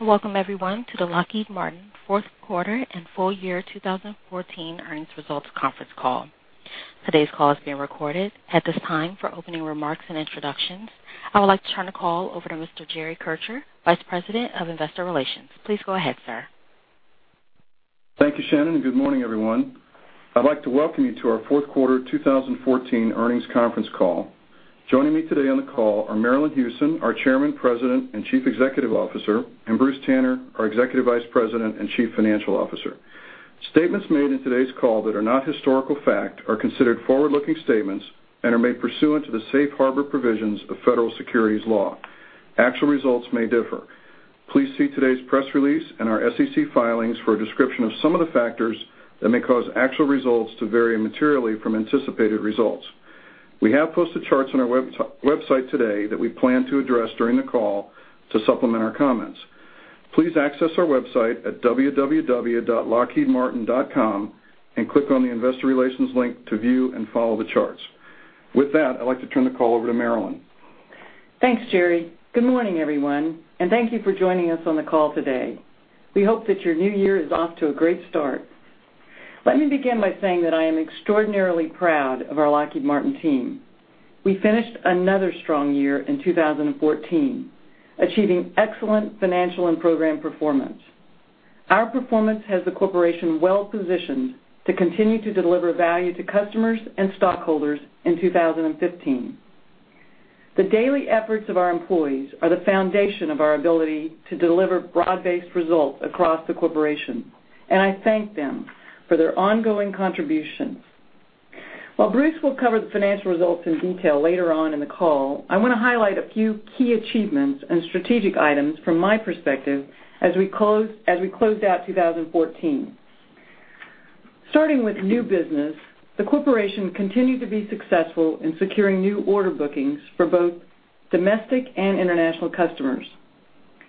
Welcome everyone to the Lockheed Martin fourth quarter and full year 2014 earnings results conference call. Today's call is being recorded. At this time, for opening remarks and introductions, I would like to turn the call over to Mr. Jerry Kircher, Vice President of Investor Relations. Please go ahead, sir. Thank you, Shannon. Good morning, everyone. I'd like to welcome you to our fourth quarter 2014 earnings conference call. Joining me today on the call are Marillyn Hewson, our Chairman, President, and Chief Executive Officer, and Bruce Tanner, our Executive Vice President and Chief Financial Officer. Statements made in today's call that are not historical fact are considered forward-looking statements and are made pursuant to the safe harbor provisions of federal securities law. Actual results may differ. Please see today's press release and our SEC filings for a description of some of the factors that may cause actual results to vary materially from anticipated results. We have posted charts on our website today that we plan to address during the call to supplement our comments. Please access our website at www.lockheedmartin.com and click on the Investor Relations link to view and follow the charts. With that, I'd like to turn the call over to Marillyn. Thanks, Jerry. Good morning, everyone. Thank you for joining us on the call today. We hope that your new year is off to a great start. Let me begin by saying that I am extraordinarily proud of our Lockheed Martin team. We finished another strong year in 2014, achieving excellent financial and program performance. Our performance has the corporation well-positioned to continue to deliver value to customers and stockholders in 2015. The daily efforts of our employees are the foundation of our ability to deliver broad-based results across the corporation. I thank them for their ongoing contributions. While Bruce will cover the financial results in detail later on in the call, I want to highlight a few key achievements and strategic items from my perspective as we closed out 2014. Starting with new business, the corporation continued to be successful in securing new order bookings for both domestic and international customers.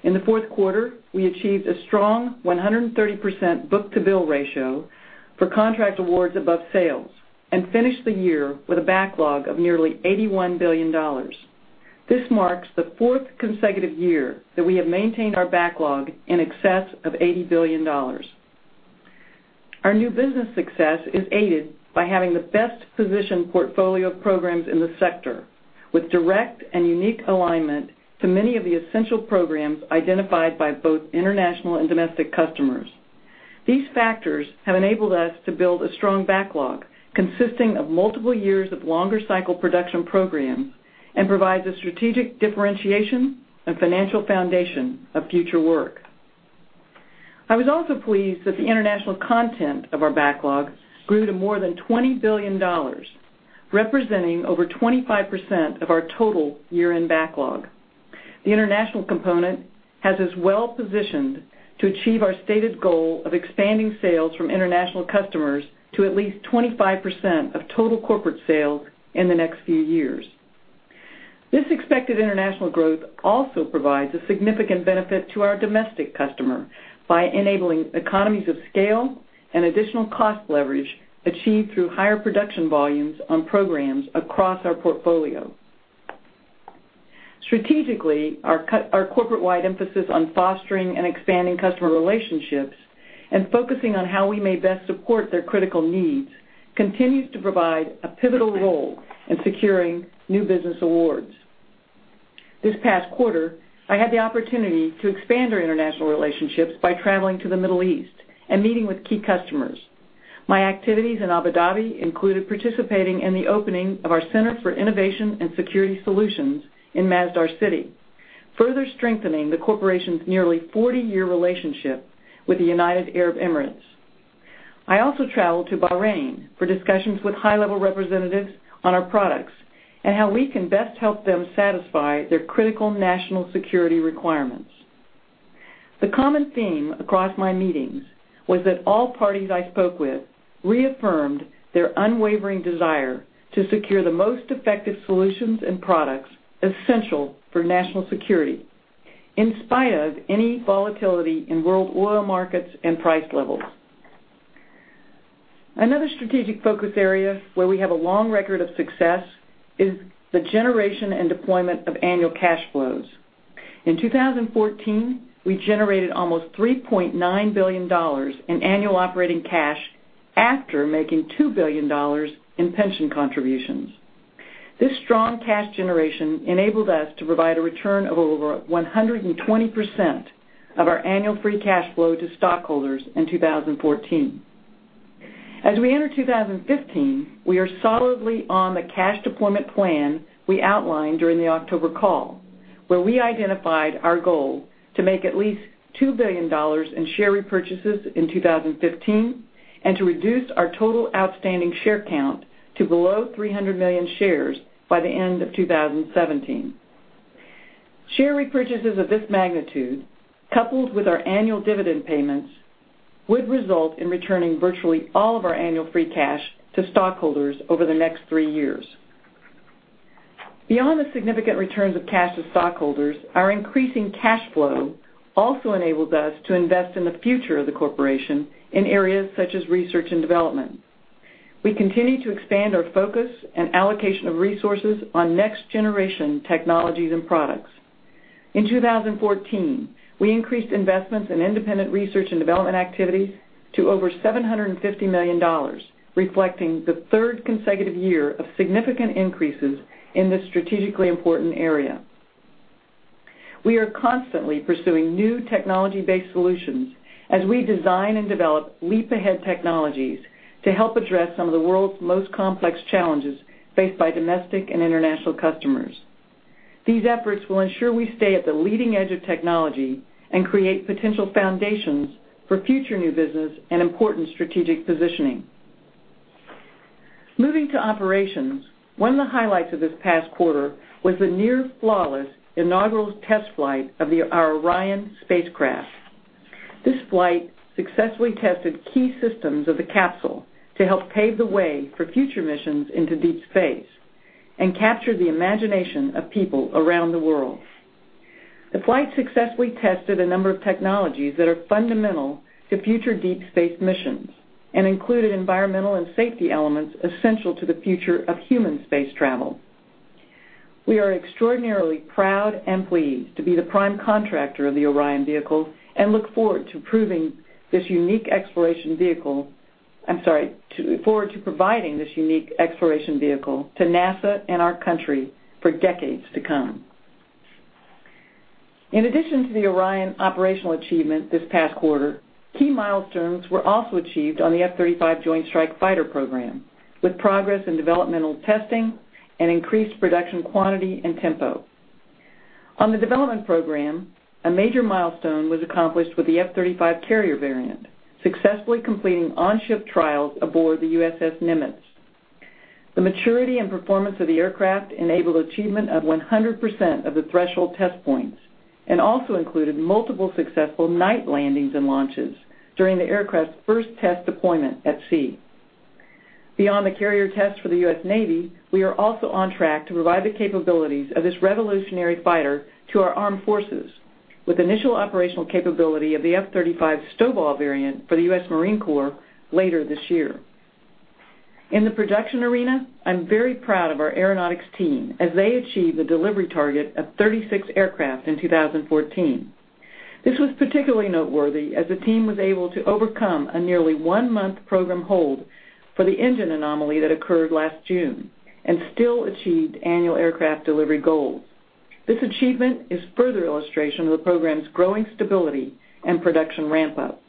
In the fourth quarter, we achieved a strong 130% book-to-bill ratio for contract awards above sales and finished the year with a backlog of nearly $81 billion. This marks the fourth consecutive year that we have maintained our backlog in excess of $80 billion. Our new business success is aided by having the best-positioned portfolio of programs in the sector, with direct and unique alignment to many of the essential programs identified by both international and domestic customers. These factors have enabled us to build a strong backlog consisting of multiple years of longer cycle production programs and provides a strategic differentiation and financial foundation of future work. I was also pleased that the international content of our backlog grew to more than $20 billion, representing over 25% of our total year-end backlog. The international component has us well-positioned to achieve our stated goal of expanding sales from international customers to at least 25% of total corporate sales in the next few years. This expected international growth also provides a significant benefit to our domestic customer by enabling economies of scale and additional cost leverage achieved through higher production volumes on programs across our portfolio. Strategically, our corporate-wide emphasis on fostering and expanding customer relationships and focusing on how we may best support their critical needs continues to provide a pivotal role in securing new business awards. This past quarter, I had the opportunity to expand our international relationships by traveling to the Middle East and meeting with key customers. My activities in Abu Dhabi included participating in the opening of our Center for Innovation and Security Solutions in Masdar City, further strengthening the corporation's nearly 40-year relationship with the United Arab Emirates. I also traveled to Bahrain for discussions with high-level representatives on our products and how we can best help them satisfy their critical national security requirements. The common theme across my meetings was that all parties I spoke with reaffirmed their unwavering desire to secure the most effective solutions and products essential for national security, in spite of any volatility in world oil markets and price levels. Another strategic focus area where we have a long record of success is the generation and deployment of annual cash flows. In 2014, we generated almost $3.9 billion in annual operating cash after making $2 billion in pension contributions. This strong cash generation enabled us to provide a return of over 120% of our annual free cash flow to stockholders in 2014. As we enter 2015, we are solidly on the cash deployment plan we outlined during the October call, where we identified our goal to make at least $2 billion in share repurchases in 2015 and to reduce our total outstanding share count to below 300 million shares by the end of 2017. Share repurchases of this magnitude, coupled with our annual dividend payments, would result in returning virtually all of our annual free cash to stockholders over the next three years. Beyond the significant returns of cash to stockholders, our increasing cash flow also enables us to invest in the future of the corporation in areas such as research and development. We continue to expand our focus and allocation of resources on next-generation technologies and products. In 2014, we increased investments in independent research and development activities to over $750 million, reflecting the third consecutive year of significant increases in this strategically important area. We are constantly pursuing new technology-based solutions as we design and develop leap-ahead technologies to help address some of the world's most complex challenges faced by domestic and international customers. These efforts will ensure we stay at the leading edge of technology and create potential foundations for future new business and important strategic positioning. Moving to operations, one of the highlights of this past quarter was the near-flawless inaugural test flight of our Orion spacecraft. This flight successfully tested key systems of the capsule to help pave the way for future missions into deep space and capture the imagination of people around the world. The flight successfully tested a number of technologies that are fundamental to future deep space missions and included environmental and safety elements essential to the future of human space travel. We are extraordinarily proud and pleased to be the prime contractor of the Orion vehicle and look forward to providing this unique exploration vehicle to NASA and our country for decades to come. In addition to the Orion operational achievement this past quarter, key milestones were also achieved on the F-35 Joint Strike Fighter program, with progress in developmental testing and increased production quantity and tempo. On the development program, a major milestone was accomplished with the F-35 carrier variant, successfully completing on-ship trials aboard the USS Nimitz. The maturity and performance of the aircraft enabled achievement of 100% of the threshold test points and also included multiple successful night landings and launches during the aircraft's first test deployment at sea. Beyond the carrier test for the U.S. Navy, we are also on track to provide the capabilities of this revolutionary fighter to our armed forces, with initial operational capability of the F-35 STOVL variant for the U.S. Marine Corps later this year. In the production arena, I'm very proud of our aeronautics team as they achieved a delivery target of 36 aircraft in 2014. This was particularly noteworthy as the team was able to overcome a nearly one-month program hold for the engine anomaly that occurred last June and still achieved annual aircraft delivery goals. This achievement is a further illustration of the program's growing stability and production ramp-up.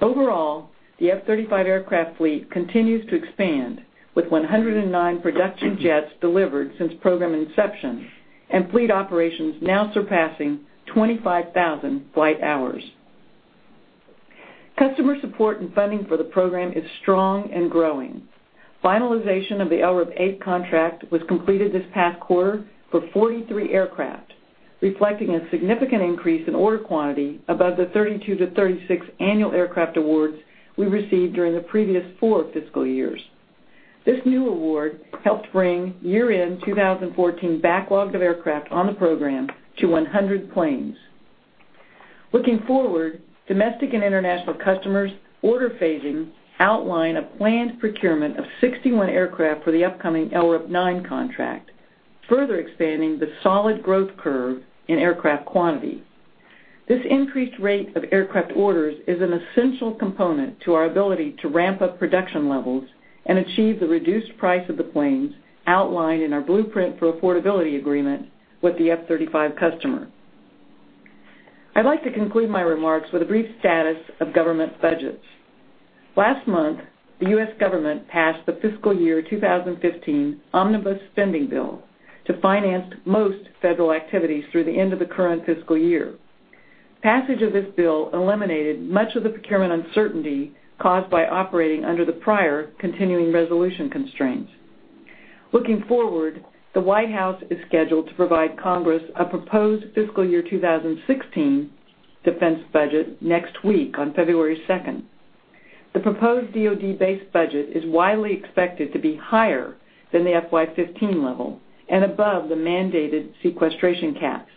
Overall, the F-35 aircraft fleet continues to expand, with 109 production jets delivered since program inception and fleet operations now surpassing 25,000 flight hours. Customer support and funding for the program is strong and growing. Finalization of the LRIP eight contract was completed this past quarter for 43 aircraft, reflecting a significant increase in order quantity above the 32 to 36 annual aircraft awards we received during the previous four fiscal years. This new award helped bring year-end 2014 backlog of aircraft on the program to 100 planes. Looking forward, domestic and international customers' order phasing outline a planned procurement of 61 aircraft for the upcoming LRIP nine contract, further expanding the solid growth curve in aircraft quantity. This increased rate of aircraft orders is an essential component to our ability to ramp up production levels and achieve the reduced price of the planes outlined in our Blueprint for Affordability agreement with the F-35 customer. I'd like to conclude my remarks with a brief status of government budgets. Last month, the U.S. government passed the fiscal year 2015 omnibus spending bill to finance most federal activities through the end of the current fiscal year. Passage of this bill eliminated much of the procurement uncertainty caused by operating under the prior continuing resolution constraints. Looking forward, the White House is scheduled to provide Congress a proposed fiscal year 2016 defense budget next week on February 2nd. The proposed DoD base budget is widely expected to be higher than the FY 2015 level and above the mandated sequestration caps.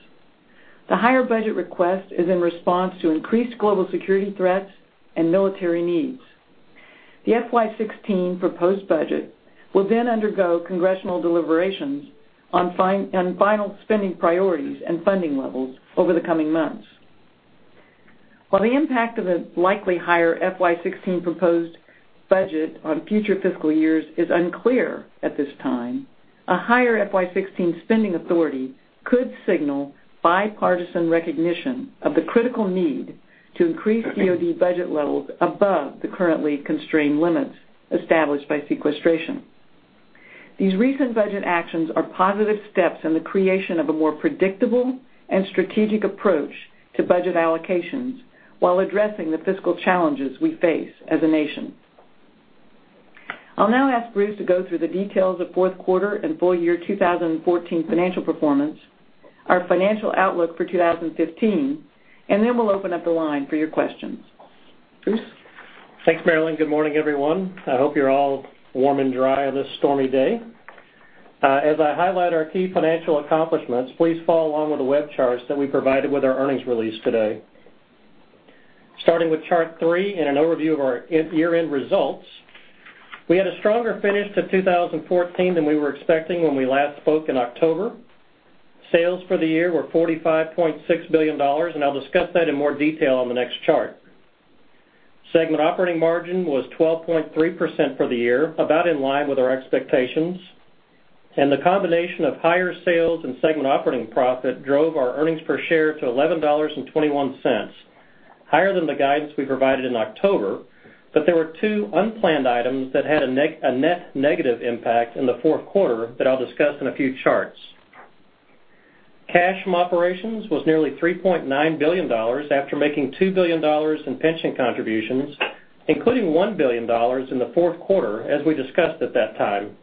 The higher budget request is in response to increased global security threats and military needs. The FY 2016 proposed budget will then undergo congressional deliberations on final spending priorities and funding levels over the coming months. While the impact of a likely higher FY 2016 proposed budget on future fiscal years is unclear at this time, a higher FY 2016 spending authority could signal bipartisan recognition of the critical need to increase DoD budget levels above the currently constrained limits established by sequestration. These recent budget actions are positive steps in the creation of a more predictable and strategic approach to budget allocations while addressing the fiscal challenges we face as a nation. I'll now ask Bruce to go through the details of fourth quarter and full year 2014 financial performance, our financial outlook for 2015. Then we'll open up the line for your questions. Bruce? Thanks, Marillyn. Good morning, everyone. I hope you're all warm and dry on this stormy day. As I highlight our key financial accomplishments, please follow along with the web charts that we provided with our earnings release today. Starting with Chart 3 and an overview of our year-end results. We had a stronger finish to 2014 than we were expecting when we last spoke in October. Sales for the year were $45.6 billion. I'll discuss that in more detail on the next chart. Segment operating margin was 12.3% for the year, about in line with our expectations. The combination of higher sales and segment operating profit drove our earnings per share to $11.21, higher than the guidance we provided in October. There were two unplanned items that had a net negative impact in the fourth quarter that I'll discuss in a few charts. Cash from operations was nearly $3.9 billion, after making $2 billion in pension contributions, including $1 billion in the fourth quarter, as we discussed at that time.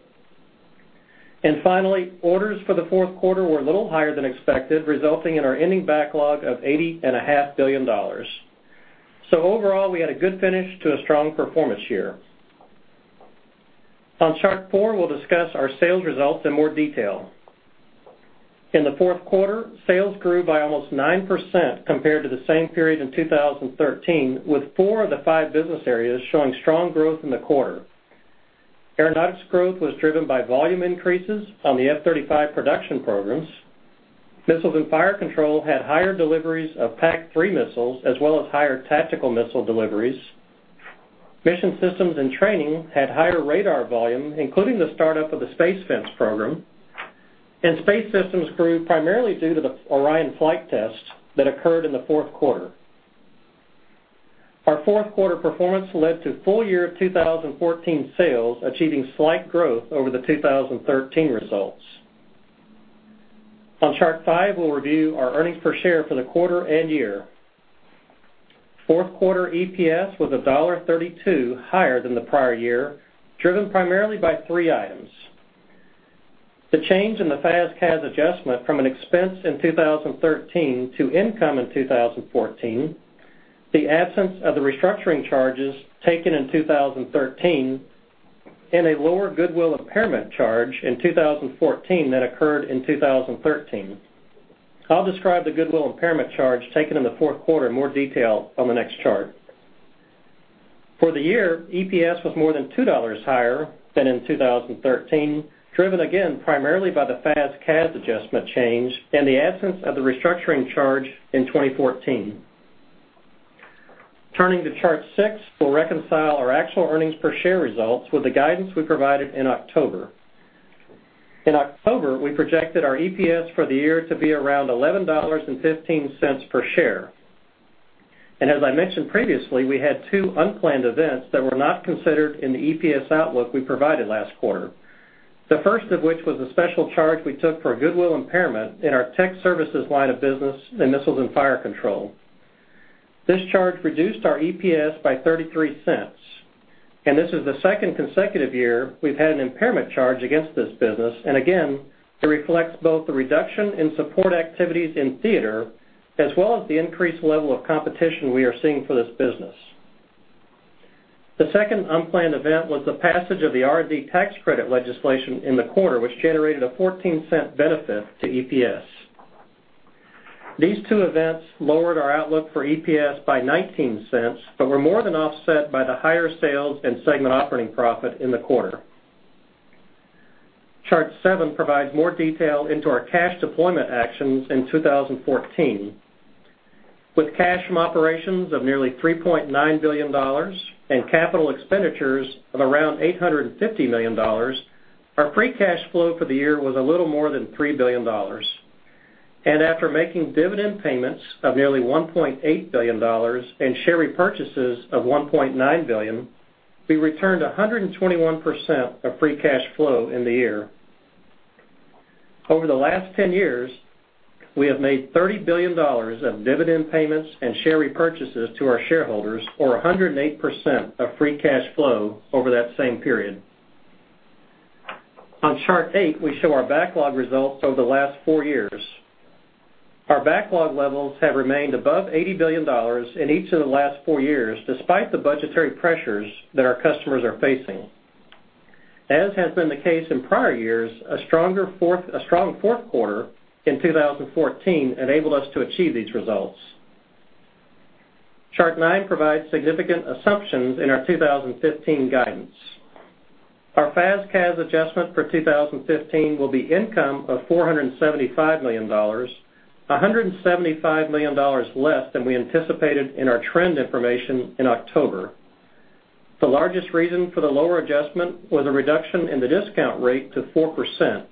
Finally, orders for the fourth quarter were a little higher than expected, resulting in our ending backlog of $80.5 billion. Overall, we had a good finish to a strong performance year. On Chart 4, we'll discuss our sales results in more detail. In the fourth quarter, sales grew by almost 9% compared to the same period in 2013, with four of the five business areas showing strong growth in the quarter. Aeronautics growth was driven by volume increases on the F-35 production programs. Missiles & Fire Control had higher deliveries of PAC-3 missiles, as well as higher tactical missile deliveries. Mission Systems & Training had higher radar volume, including the start-up of the Space Fence program. Space Systems grew primarily due to the Orion flight test that occurred in the fourth quarter. Our fourth quarter performance led to full year 2014 sales achieving slight growth over the 2013 results. On Chart 5, we will review our earnings per share for the quarter and year. Fourth quarter EPS was $1.32 higher than the prior year, driven primarily by three items. The change in the FAS/CAS adjustment from an expense in 2013 to income in 2014, the absence of the restructuring charges taken in 2013, and a lower goodwill impairment charge in 2014 than occurred in 2013. I will describe the goodwill impairment charge taken in the fourth quarter in more detail on the next chart. For the year, EPS was more than $2 higher than in 2013, driven again primarily by the FAS/CAS adjustment change and the absence of the restructuring charge in 2014. Turning to Chart 6, we will reconcile our actual earnings per share results with the guidance we provided in October. In October, we projected our EPS for the year to be around $11.15 per share. As I mentioned previously, we had two unplanned events that were not considered in the EPS outlook we provided last quarter. The first of which was a special charge we took for a goodwill impairment in our tech services line of business in Missiles & Fire Control. This charge reduced our EPS by $0.33, and this is the second consecutive year we have had an impairment charge against this business. Again, it reflects both the reduction in support activities in theater as well as the increased level of competition we are seeing for this business. The second unplanned event was the passage of the R&D tax credit legislation in the quarter, which generated a $0.14 benefit to EPS. These two events lowered our outlook for EPS by $0.19, but were more than offset by the higher sales and segment operating profit in the quarter. Chart 7 provides more detail into our cash deployment actions in 2014. With cash from operations of nearly $3.9 billion and capital expenditures of around $850 million, our free cash flow for the year was a little more than $3 billion. After making dividend payments of nearly $1.8 billion and share repurchases of $1.9 billion, we returned 121% of free cash flow in the year. Over the last 10 years, we have made $30 billion of dividend payments and share repurchases to our shareholders or 108% of free cash flow over that same period. On Chart 8, we show our backlog results over the last four years. Our backlog levels have remained above $80 billion in each of the last four years, despite the budgetary pressures that our customers are facing. As has been the case in prior years, a strong fourth quarter in 2014 enabled us to achieve these results. Chart 9 provides significant assumptions in our 2015 guidance. Our FAS/CAS adjustment for 2015 will be income of $475 million, $175 million less than we anticipated in our trend information in October. The largest reason for the lower adjustment was a reduction in the discount rate to 4%.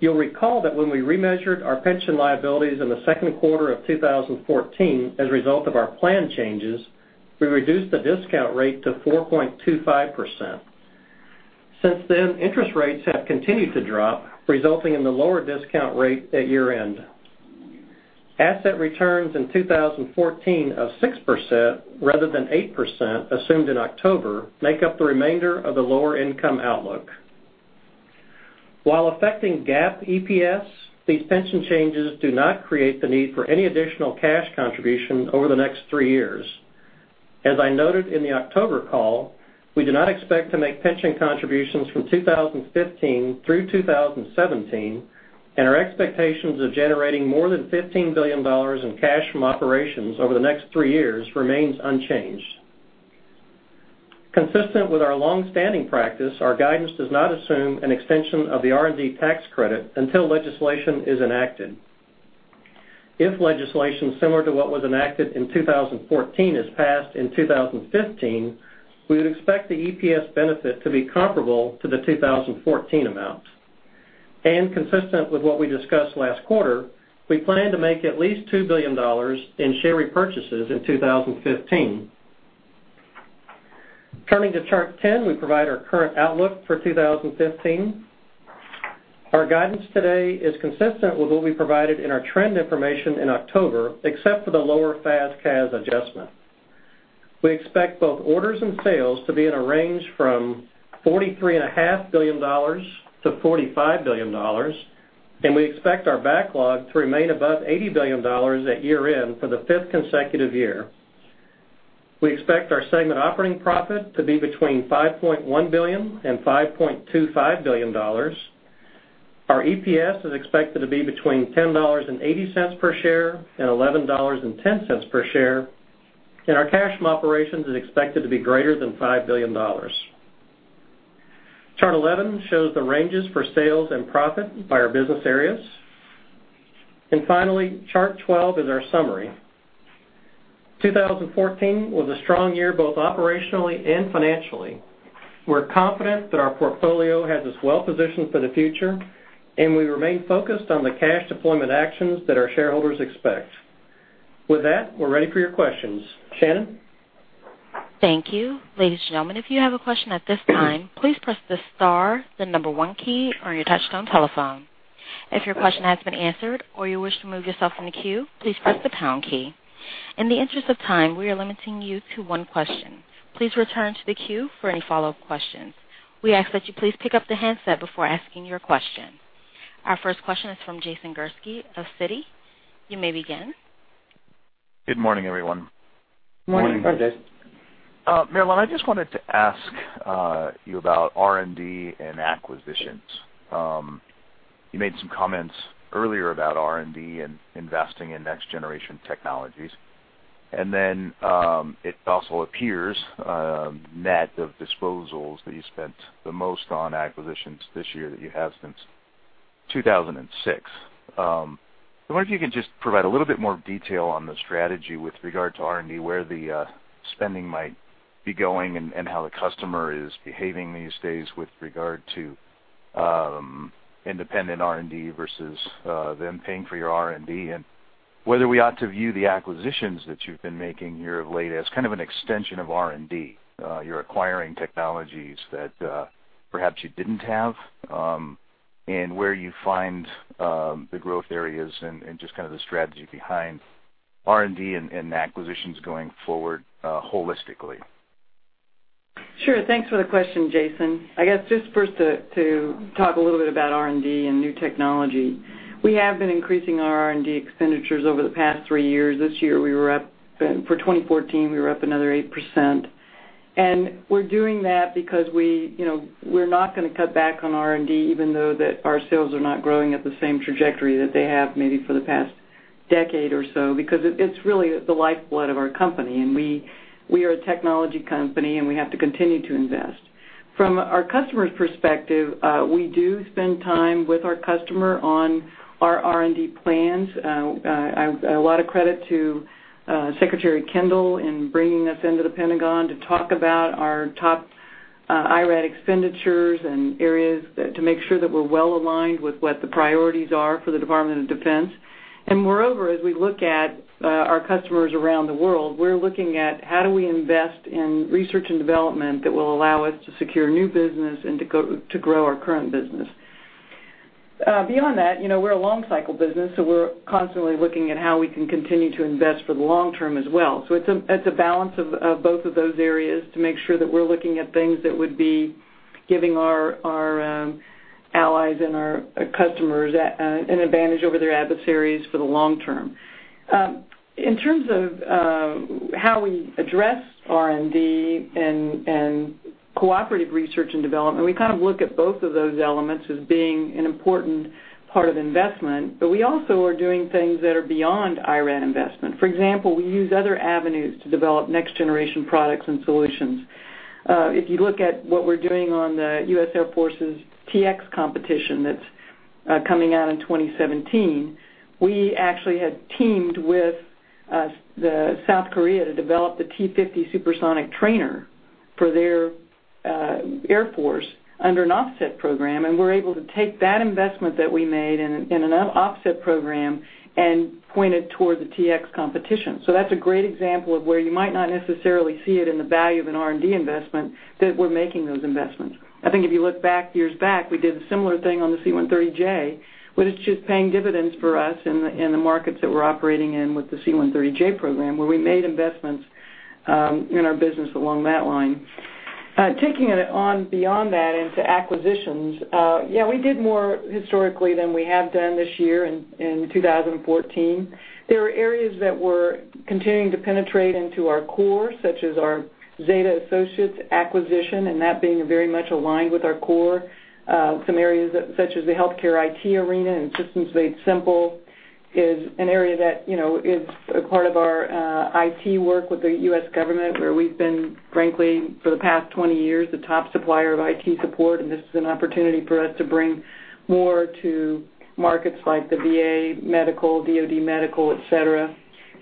You will recall that when we remeasured our pension liabilities in the second quarter of 2014 as a result of our plan changes, we reduced the discount rate to 4.25%. Since then, interest rates have continued to drop, resulting in the lower discount rate at year-end. Asset returns in 2014 of 6% rather than 8% assumed in October make up the remainder of the lower income outlook. While affecting GAAP EPS, these pension changes do not create the need for any additional cash contribution over the next three years. As I noted in the October call, we do not expect to make pension contributions from 2015 through 2017, and our expectations of generating more than $15 billion in cash from operations over the next three years remains unchanged. Consistent with our longstanding practice, our guidance does not assume an extension of the R&D tax credit until legislation is enacted. If legislation similar to what was enacted in 2014 is passed in 2015, we would expect the EPS benefit to be comparable to the 2014 amount. Consistent with what we discussed last quarter, we plan to make at least $2 billion in share repurchases in 2015. Turning to Chart 10, we provide our current outlook for 2015. Our guidance today is consistent with what we provided in our trend information in October, except for the lower FAS/CAS adjustment. We expect both orders and sales to be in a range from $43.5 billion-$45 billion, and we expect our backlog to remain above $80 billion at year-end for the fifth consecutive year. We expect our segment operating profit to be between $5.1 billion-$5.25 billion. Our EPS is expected to be between $10.80 per share-$11.10 per share. Our cash from operations is expected to be greater than $5 billion. Chart 11 shows the ranges for sales and profit by our business areas. Finally, Chart 12 is our summary. 2014 was a strong year, both operationally and financially. We're confident that our portfolio has us well-positioned for the future, and we remain focused on the cash deployment actions that our shareholders expect. With that, we're ready for your questions. Shannon? Thank you. Ladies and gentlemen, if you have a question at this time, please press the star, the number one key on your touchtone telephone. If your question has been answered or you wish to remove yourself from the queue, please press the pound key. In the interest of time, we are limiting you to one question. Please return to the queue for any follow-up questions. We ask that you please pick up the handset before asking your question. Our first question is from Jason Gursky of Citi. You may begin. Good morning, everyone. Morning. Good morning. Marillyn, I just wanted to ask you about R&D and acquisitions. You made some comments earlier about R&D and investing in next-generation technologies, and then it also appears, net of disposals, that you spent the most on acquisitions this year that you have since 2006. I wonder if you could just provide a little bit more detail on the strategy with regard to R&D, where the spending might be going, and how the customer is behaving these days with regard to independent R&D versus them paying for your R&D. Whether we ought to view the acquisitions that you've been making here of late as kind of an extension of R&D. You're acquiring technologies that perhaps you didn't have, and where you find the growth areas and just kind of the strategy behind R&D and acquisitions going forward holistically. Sure. Thanks for the question, Jason. I guess just first to talk a little bit about R&D and new technology. We have been increasing our R&D expenditures over the past three years. This year, for 2014, we were up another 8%. We're doing that because we're not going to cut back on R&D, even though that our sales are not growing at the same trajectory that they have maybe for the past decade or so, because it's really the lifeblood of our company, and we are a technology company, and we have to continue to invest. From our customers' perspective, we do spend time with our customer on our R&D plans. A lot of credit to Secretary Kendall in bringing us into the Pentagon to talk about our top IRAD expenditures and areas to make sure that we're well aligned with what the priorities are for the Department of Defense. Moreover, as we look at our customers around the world, we're looking at how do we invest in research and development that will allow us to secure new business and to grow our current business. Beyond that, we're a long cycle business, so we're constantly looking at how we can continue to invest for the long term as well. It's a balance of both of those areas to make sure that we're looking at things that would be giving our allies and our customers an advantage over their adversaries for the long term. In terms of how we address R&D and cooperative research and development, we kind of look at both of those elements as being an important part of investment, but we also are doing things that are beyond IRAD investment. For example, we use other avenues to develop next-generation products and solutions. If you look at what we're doing on the U.S. Air Force's T-X competition that's coming out in 2017, we actually had teamed with South Korea to develop the T-50 supersonic trainer for their air force under an offset program, and we're able to take that investment that we made in an offset program and point it toward the T-X competition. That's a great example of where you might not necessarily see it in the value of an R&D investment, that we're making those investments. I think if you look back years back, we did a similar thing on the C-130J, which is paying dividends for us in the markets that we're operating in with the C-130J program, where we made investments in our business along that line. Taking it on beyond that into acquisitions, yeah, we did more historically than we have done this year in 2014. There are areas that we're continuing to penetrate into our core, such as our Zeta Associates acquisition, and that being very much aligned with our core. Some areas such as the healthcare IT arena and Systems Made Simple is an area that is a part of our IT work with the U.S. government, where we've been, frankly, for the past 20 years, the top supplier of IT support, and this is an opportunity for us to bring more to markets like the VA medical, DoD medical, et cetera.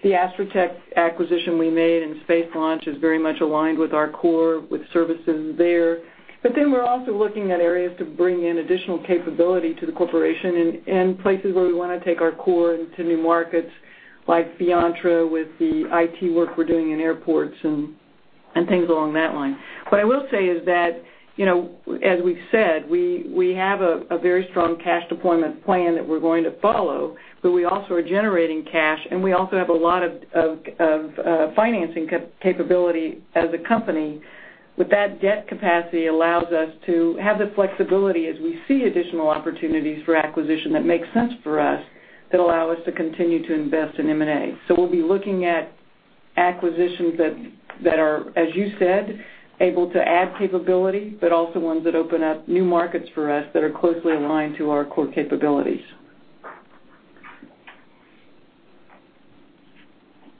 The Astrotech acquisition we made in space launch is very much aligned with our core, with services there. We're also looking at areas to bring in additional capability to the corporation and places where we want to take our core into new markets, like Beontra with the IT work we're doing in airports and things along that line. What I will say is that, as we've said, we have a very strong cash deployment plan that we're going to follow, but we also are generating cash, and we also have a lot of financing capability as a company. With that debt capacity allows us to have the flexibility as we see additional opportunities for acquisition that makes sense for us, that allow us to continue to invest in M&A. We'll be looking at acquisitions that are, as you said, able to add capability, but also ones that open up new markets for us that are closely aligned to our core capabilities.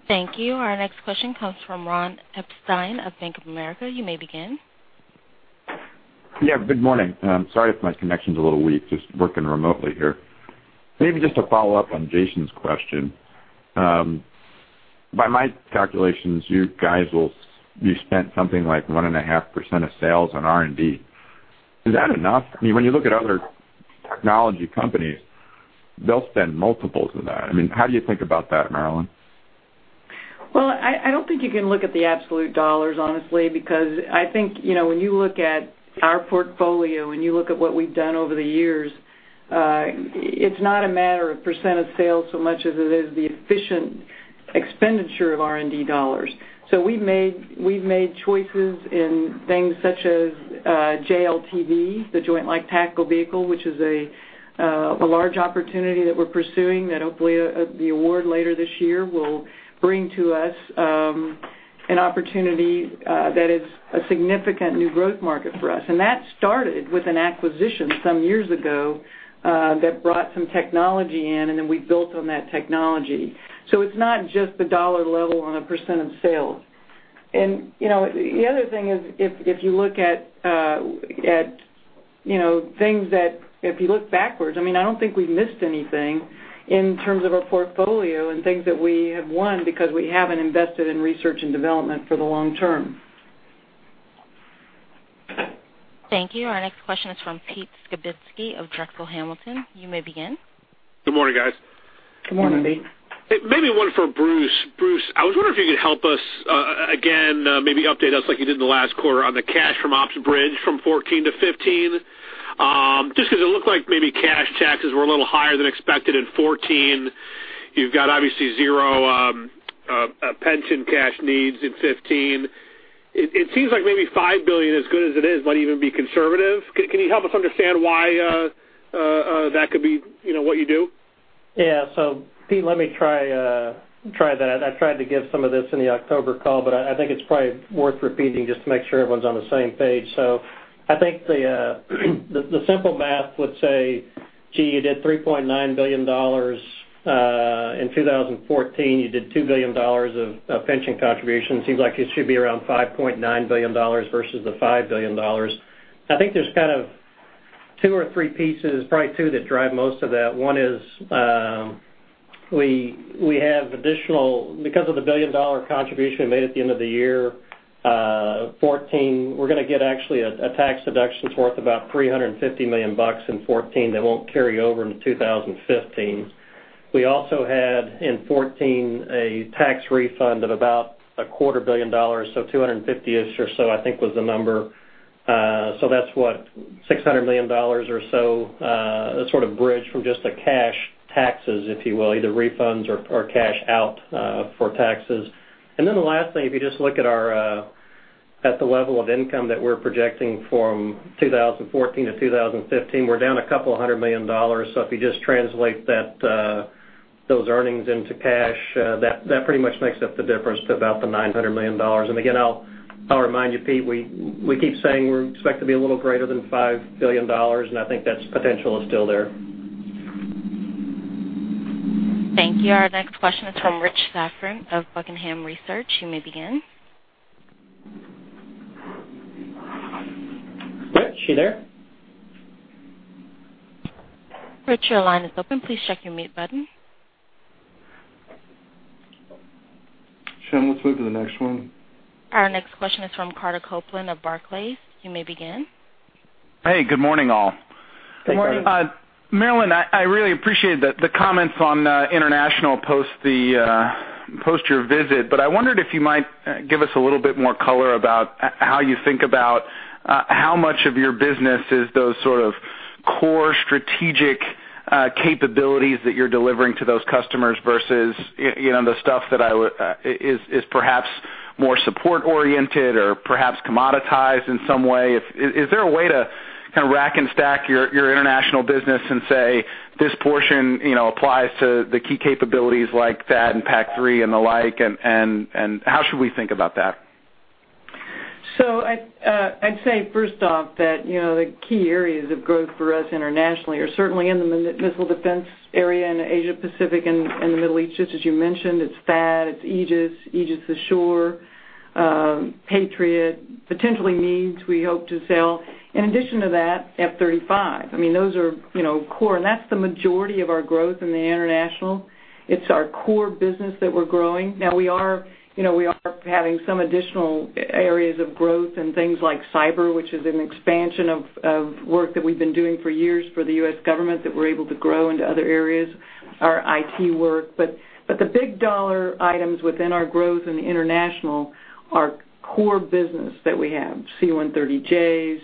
Thank you. Our next question comes from Ron Epstein of Bank of America. You may begin. Yeah, good morning. Sorry if my connection's a little weak. Just working remotely here. Maybe just to follow up on Jason's question. By my calculations, you spent something like 1.5% of sales on R&D. Is that enough? When you look at other technology companies, they'll spend multiples of that. How do you think about that, Marillyn? Well, I don't think you can look at the absolute dollars, honestly, because I think, when you look at our portfolio, when you look at what we've done over the years, it's not a matter of % of sales so much as it is the efficient expenditure of R&D dollars. We've made choices in things such as JLTV, the Joint Light Tactical Vehicle, which is a large opportunity that we're pursuing that hopefully the award later this year will bring to us an opportunity that is a significant new growth market for us. That started with an acquisition some years ago that brought some technology in, and then we built on that technology. It's not just the dollar level on a % of sales. The other thing is, if you look backwards, I don't think we've missed anything in terms of our portfolio and things that we have won because we haven't invested in research and development for the long term. Thank you. Our next question is from Peter Skibitski of Drexel Hamilton. You may begin. Good morning, guys. Good morning. Maybe one for Bruce. Bruce, I was wondering if you could help us, again, maybe update us like you did in the last quarter on the cash from ops bridge from 2014 to 2015. Just because it looked like maybe cash taxes were a little higher than expected in 2014. You've got obviously zero pension cash needs in 2015. It seems like maybe $5 billion, as good as it is, might even be conservative. Can you help us understand why that could be what you do? Pete, let me try that. I tried to give some of this in the October call, but I think it's probably worth repeating just to make sure everyone's on the same page. I think the simple math would say, gee, you did $3.9 billion in 2014. You did $2 billion of pension contributions. Seems like it should be around $5.9 billion versus the $5 billion. I think there's kind of two or three pieces, probably two, that drive most of that. One is we have additional, because of the $1 billion contribution we made at the end of the year 2014, we're going to get actually a tax deduction worth about $350 million in 2014 that won't carry over into 2015. We also had in 2014, a tax refund of about a quarter billion dollars, $250-ish or so I think was the number. That's what, $600 million or so, sort of bridge from just the cash taxes, if you will, either refunds or cash out for taxes. Then the last thing, if you just look at the level of income that we're projecting from 2014 to 2015, we're down a couple hundred million dollars. If you just translate those earnings into cash that pretty much makes up the difference to about the $900 million. Again, I'll remind you, Pete, we keep saying we expect to be a little greater than $5 billion, and I think that potential is still there. Thank you. Our next question is from Rich Safram of The Buckingham Research Group. You may begin. Rich, you there? Rich, your line is open. Please check your mute button. Shannon, let's move to the next one. Our next question is from Carter Copeland of Barclays. You may begin. Hey, good morning, all. Good morning. Marillyn, I really appreciate the comments on international post your visit, but I wondered if you might give us a little bit more color about how you think about how much of your business is those sort of core strategic capabilities that you're delivering to those customers versus the stuff that is perhaps more support oriented or perhaps commoditized in some way. Is there a way to kind of rack and stack your international business and say, "This portion applies to the key capabilities like THAAD and PAC-3 and the like," and how should we think about that? I'd say, first off, that the key areas of growth for us internationally are certainly in the missile defense area in the Asia Pacific and the Middle East. Just as you mentioned, it's THAAD, it's Aegis Ashore, Patriot, potentially MEADS we hope to sell. In addition to that, F-35. Those are core, and that's the majority of our growth in the international. It's our core business that we're growing. We are having some additional areas of growth in things like cyber, which is an expansion of work that we've been doing for years for the U.S. government that we're able to grow into other areas, our IT work. The big dollar items within our growth in the international are core business that we have. C-130Js,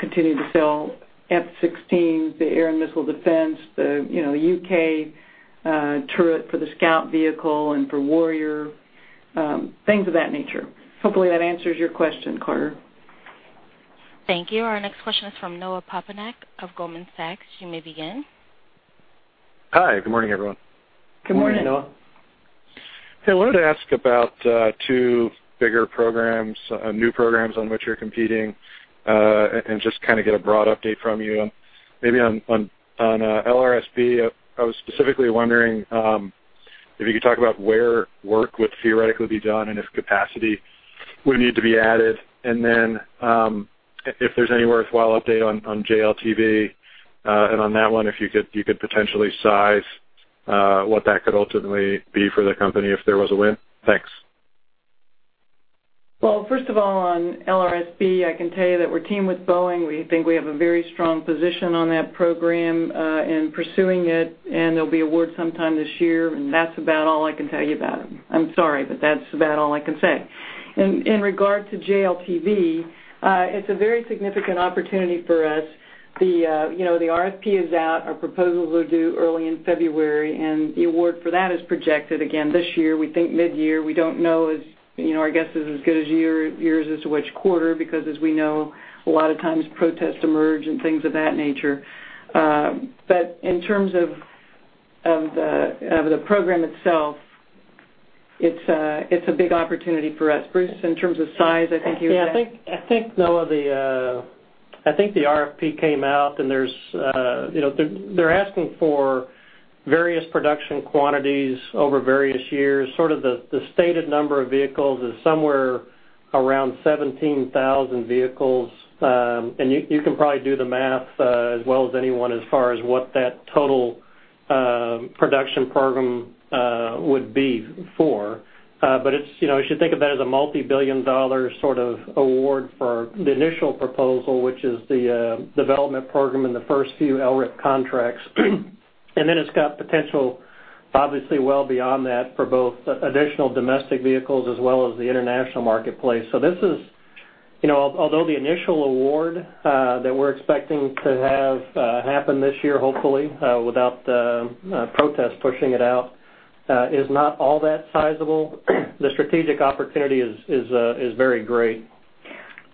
continue to sell F-16s, the air and missile defense, the U.K. turret for the scout vehicle and for Warrior, things of that nature. Hopefully, that answers your question, Carter. Thank you. Our next question is from Noah Poponak of Goldman Sachs. You may begin. Hi, good morning, everyone. Good morning. Good morning, Noah. Hey, wanted to ask about two bigger programs, new programs on which you're competing, and just kind of get a broad update from you. Maybe on LRS-B, I was specifically wondering if you could talk about where work would theoretically be done and if capacity would need to be added, then if there's any worthwhile update on JLTV. On that one, if you could potentially size what that could ultimately be for the company if there was a win. Thanks. Well, first of all, on LRS-B, I can tell you that we're teamed with Boeing. We think we have a very strong position on that program in pursuing it, there'll be award sometime this year, that's about all I can tell you about it. I'm sorry, that's about all I can say. In regard to JLTV, it's a very significant opportunity for us. The RFP is out. Our proposals are due early in February, the award for that is projected again this year, we think mid-year. We don't know. Our guess is as good as yours as to which quarter, because as we know, a lot of times protests emerge and things of that nature. In terms of the program itself, it's a big opportunity for us. Bruce, in terms of size, I think you said. I think, Noah, the RFP came out, they're asking for various production quantities over various years. The stated number of vehicles is somewhere around 17,000 vehicles. You can probably do the math as well as anyone as far as what that total production program would be for. You should think of that as a multi-billion dollar sort of award for the initial proposal, which is the development program and the first few LRIP contracts. Then it's got potential, obviously, well beyond that for both additional domestic vehicles as well as the international marketplace. Although the initial award that we're expecting to have happen this year, hopefully, without protests pushing it out, is not all that sizable, the strategic opportunity is very great.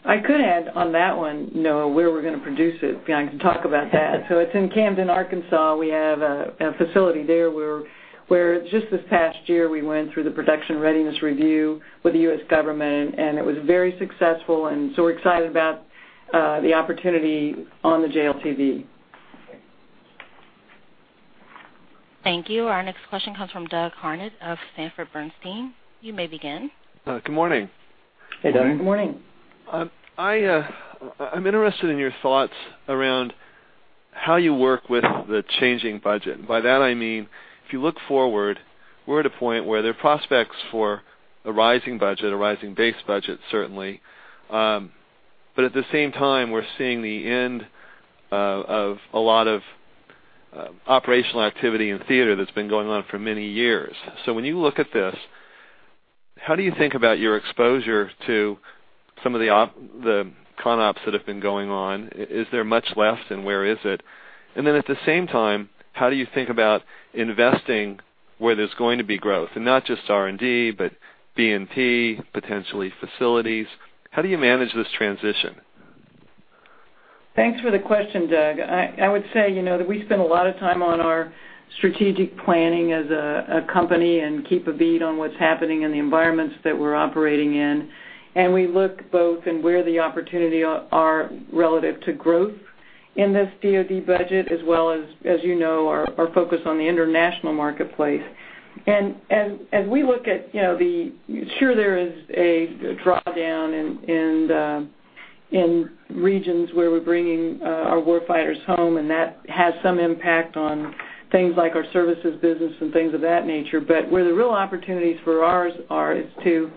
I could add on that one, Noah, where we're going to produce it. If you want, I can talk about that. It's in Camden, Arkansas. We have a facility there where just this past year we went through the production readiness review with the U.S. government, it was very successful, so we're excited about the opportunity on the JLTV. Thank you. Our next question comes from Doug Harned of Sanford C. Bernstein. You may begin. Good morning. Hey, Doug. Good morning. I'm interested in your thoughts around how you work with the changing budget. By that I mean, if you look forward, we're at a point where there are prospects for a rising budget, a rising base budget, certainly. At the same time, we're seeing the end of a lot of operational activity in theater that's been going on for many years. When you look at this, how do you think about your exposure to some of the CONOPs that have been going on? Is there much less, and where is it? At the same time, how do you think about investing where there's going to be growth? Not just R&D, but B&P, potentially facilities. How do you manage this transition? Thanks for the question, Doug. I would say that we spend a lot of time on our strategic planning as a company and keep a bead on what's happening in the environments that we're operating in. We look both in where the opportunity are relative to growth in this DoD budget, as well as you know our focus on the international marketplace. Sure there is a drawdown in regions where we're bringing our war fighters home, and that has some impact on things like our services business and things of that nature. Where the real opportunities for ours are is to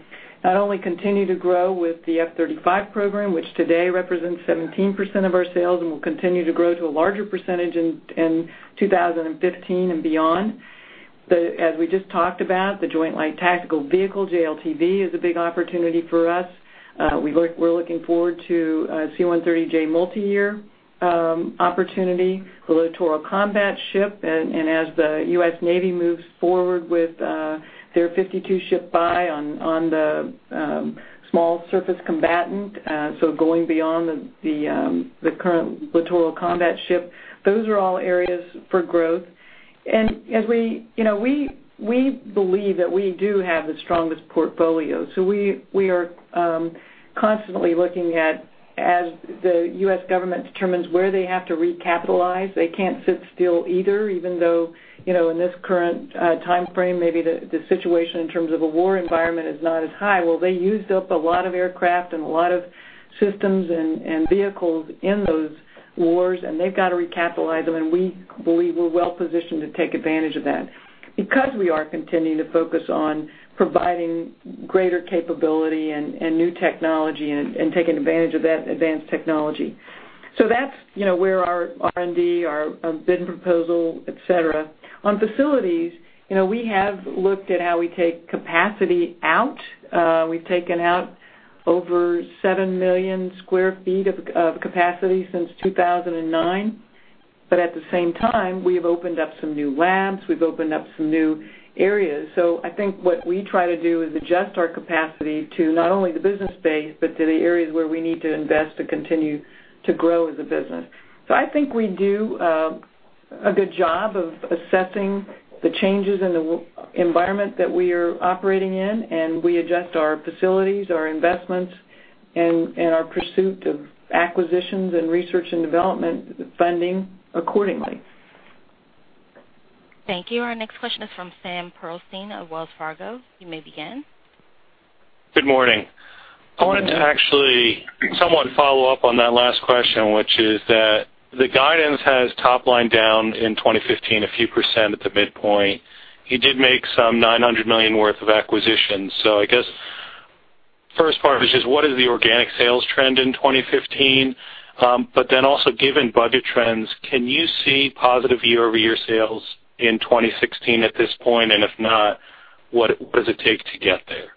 not only continue to grow with the F-35 program, which today represents 17% of our sales and will continue to grow to a larger percentage in 2015 and beyond. As we just talked about, the Joint Light Tactical Vehicle, JLTV, is a big opportunity for us. We're looking forward to a C-130J multi-year opportunity, the littoral combat ship, and as the U.S. Navy moves forward with their 52-ship buy on the small surface combatant, going beyond the current littoral combat ship. Those are all areas for growth. We believe that we do have the strongest portfolio. We are constantly looking at, as the U.S. government determines where they have to recapitalize, they can't sit still either, even though, in this current time frame, maybe the situation in terms of a war environment is not as high. They used up a lot of aircraft and a lot of systems and vehicles in those wars, and they've got to recapitalize them. We believe we're well positioned to take advantage of that because we are continuing to focus on providing greater capability and new technology and taking advantage of that advanced technology. That's where our R&D, our bid proposal, et cetera. On facilities, we have looked at how we take capacity out. We've taken out over seven million square feet of capacity since 2009. At the same time, we've opened up some new labs, we've opened up some new areas. I think what we try to do is adjust our capacity to not only the business base, but to the areas where we need to invest to continue to grow as a business. I think we do a good job of assessing the changes in the environment that we are operating in, and we adjust our facilities, our investments, and our pursuit of acquisitions and research and development funding accordingly. Thank you. Our next question is from Samuel Pearlstein of Wells Fargo. You may begin. Good morning. I wanted to actually somewhat follow up on that last question, which is that the guidance has top-line down in 2015 a few % at the midpoint. You did make some $900 million worth of acquisitions. I guess first part was just what is the organic sales trend in 2015? Also, given budget trends, can you see positive year-over-year sales in 2016 at this point? If not, what does it take to get there?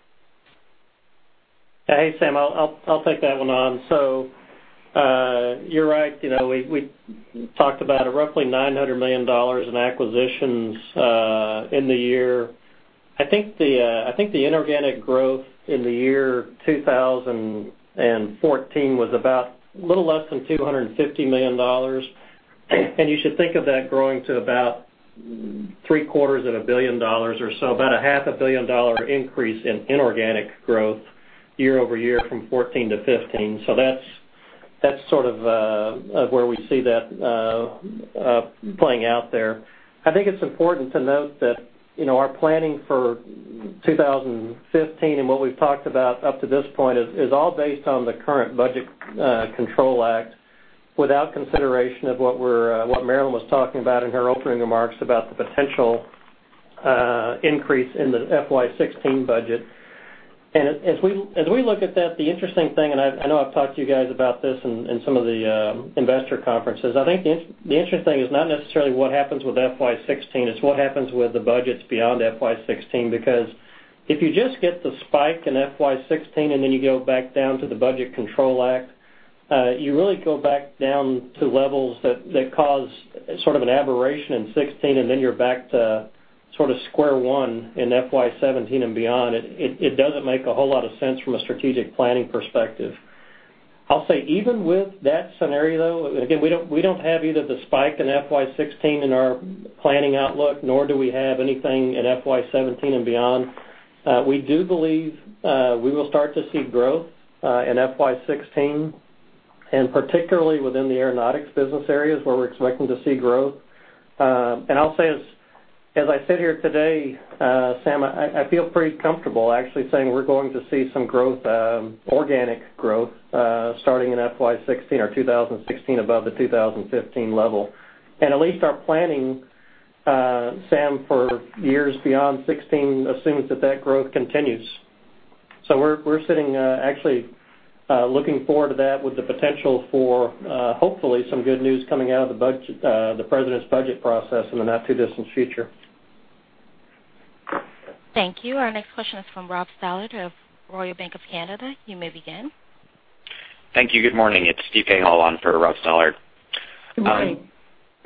Hey, Sam, I'll take that one on. You're right. We talked about roughly $900 million in acquisitions in the year. I think the inorganic growth in the year 2014 was about a little less than $250 million. You should think of that growing to about three quarters of a billion dollars or so, about a half a billion dollar increase in inorganic growth year-over-year from 2014 to 2015. That's sort of where we see that playing out there. I think it's important to note that our planning for 2015 and what we've talked about up to this point is all based on the current Budget Control Act without consideration of what Marillyn was talking about in her opening remarks about the potential increase in the FY 2016 budget. As we look at that, the interesting thing, and I know I've talked to you guys about this in some of the investor conferences, I think the interesting thing is not necessarily what happens with FY 2016, it's what happens with the budgets beyond FY 2016. If you just get the spike in FY 2016 and then you go back down to the Budget Control Act, you really go back down to levels that cause sort of an aberration in 2016, and then you're back to sort of square one in FY 2017 and beyond. It doesn't make a whole lot of sense from a strategic planning perspective. I'll say even with that scenario, though, again, we don't have either the spike in FY 2016 in our planning outlook, nor do we have anything in FY 2017 and beyond. We do believe we will start to see growth in FY 2016, particularly within the Lockheed Martin Aeronautics business areas where we're expecting to see growth. I'll say, as I sit here today, Sam, I feel pretty comfortable actually saying we're going to see some growth, organic growth, starting in FY 2016 or 2016 above the 2015 level. At least our planning, Sam, for years beyond 2016 assumes that growth continues. We're sitting actually looking forward to that with the potential for hopefully some good news coming out of the President's budget process in the not-too-distant future. Thank you. Our next question is from Robert Stallard of Royal Bank of Canada. You may begin. Thank you. Good morning. It's Stephen Tusa on for Robert Stallard. Good morning.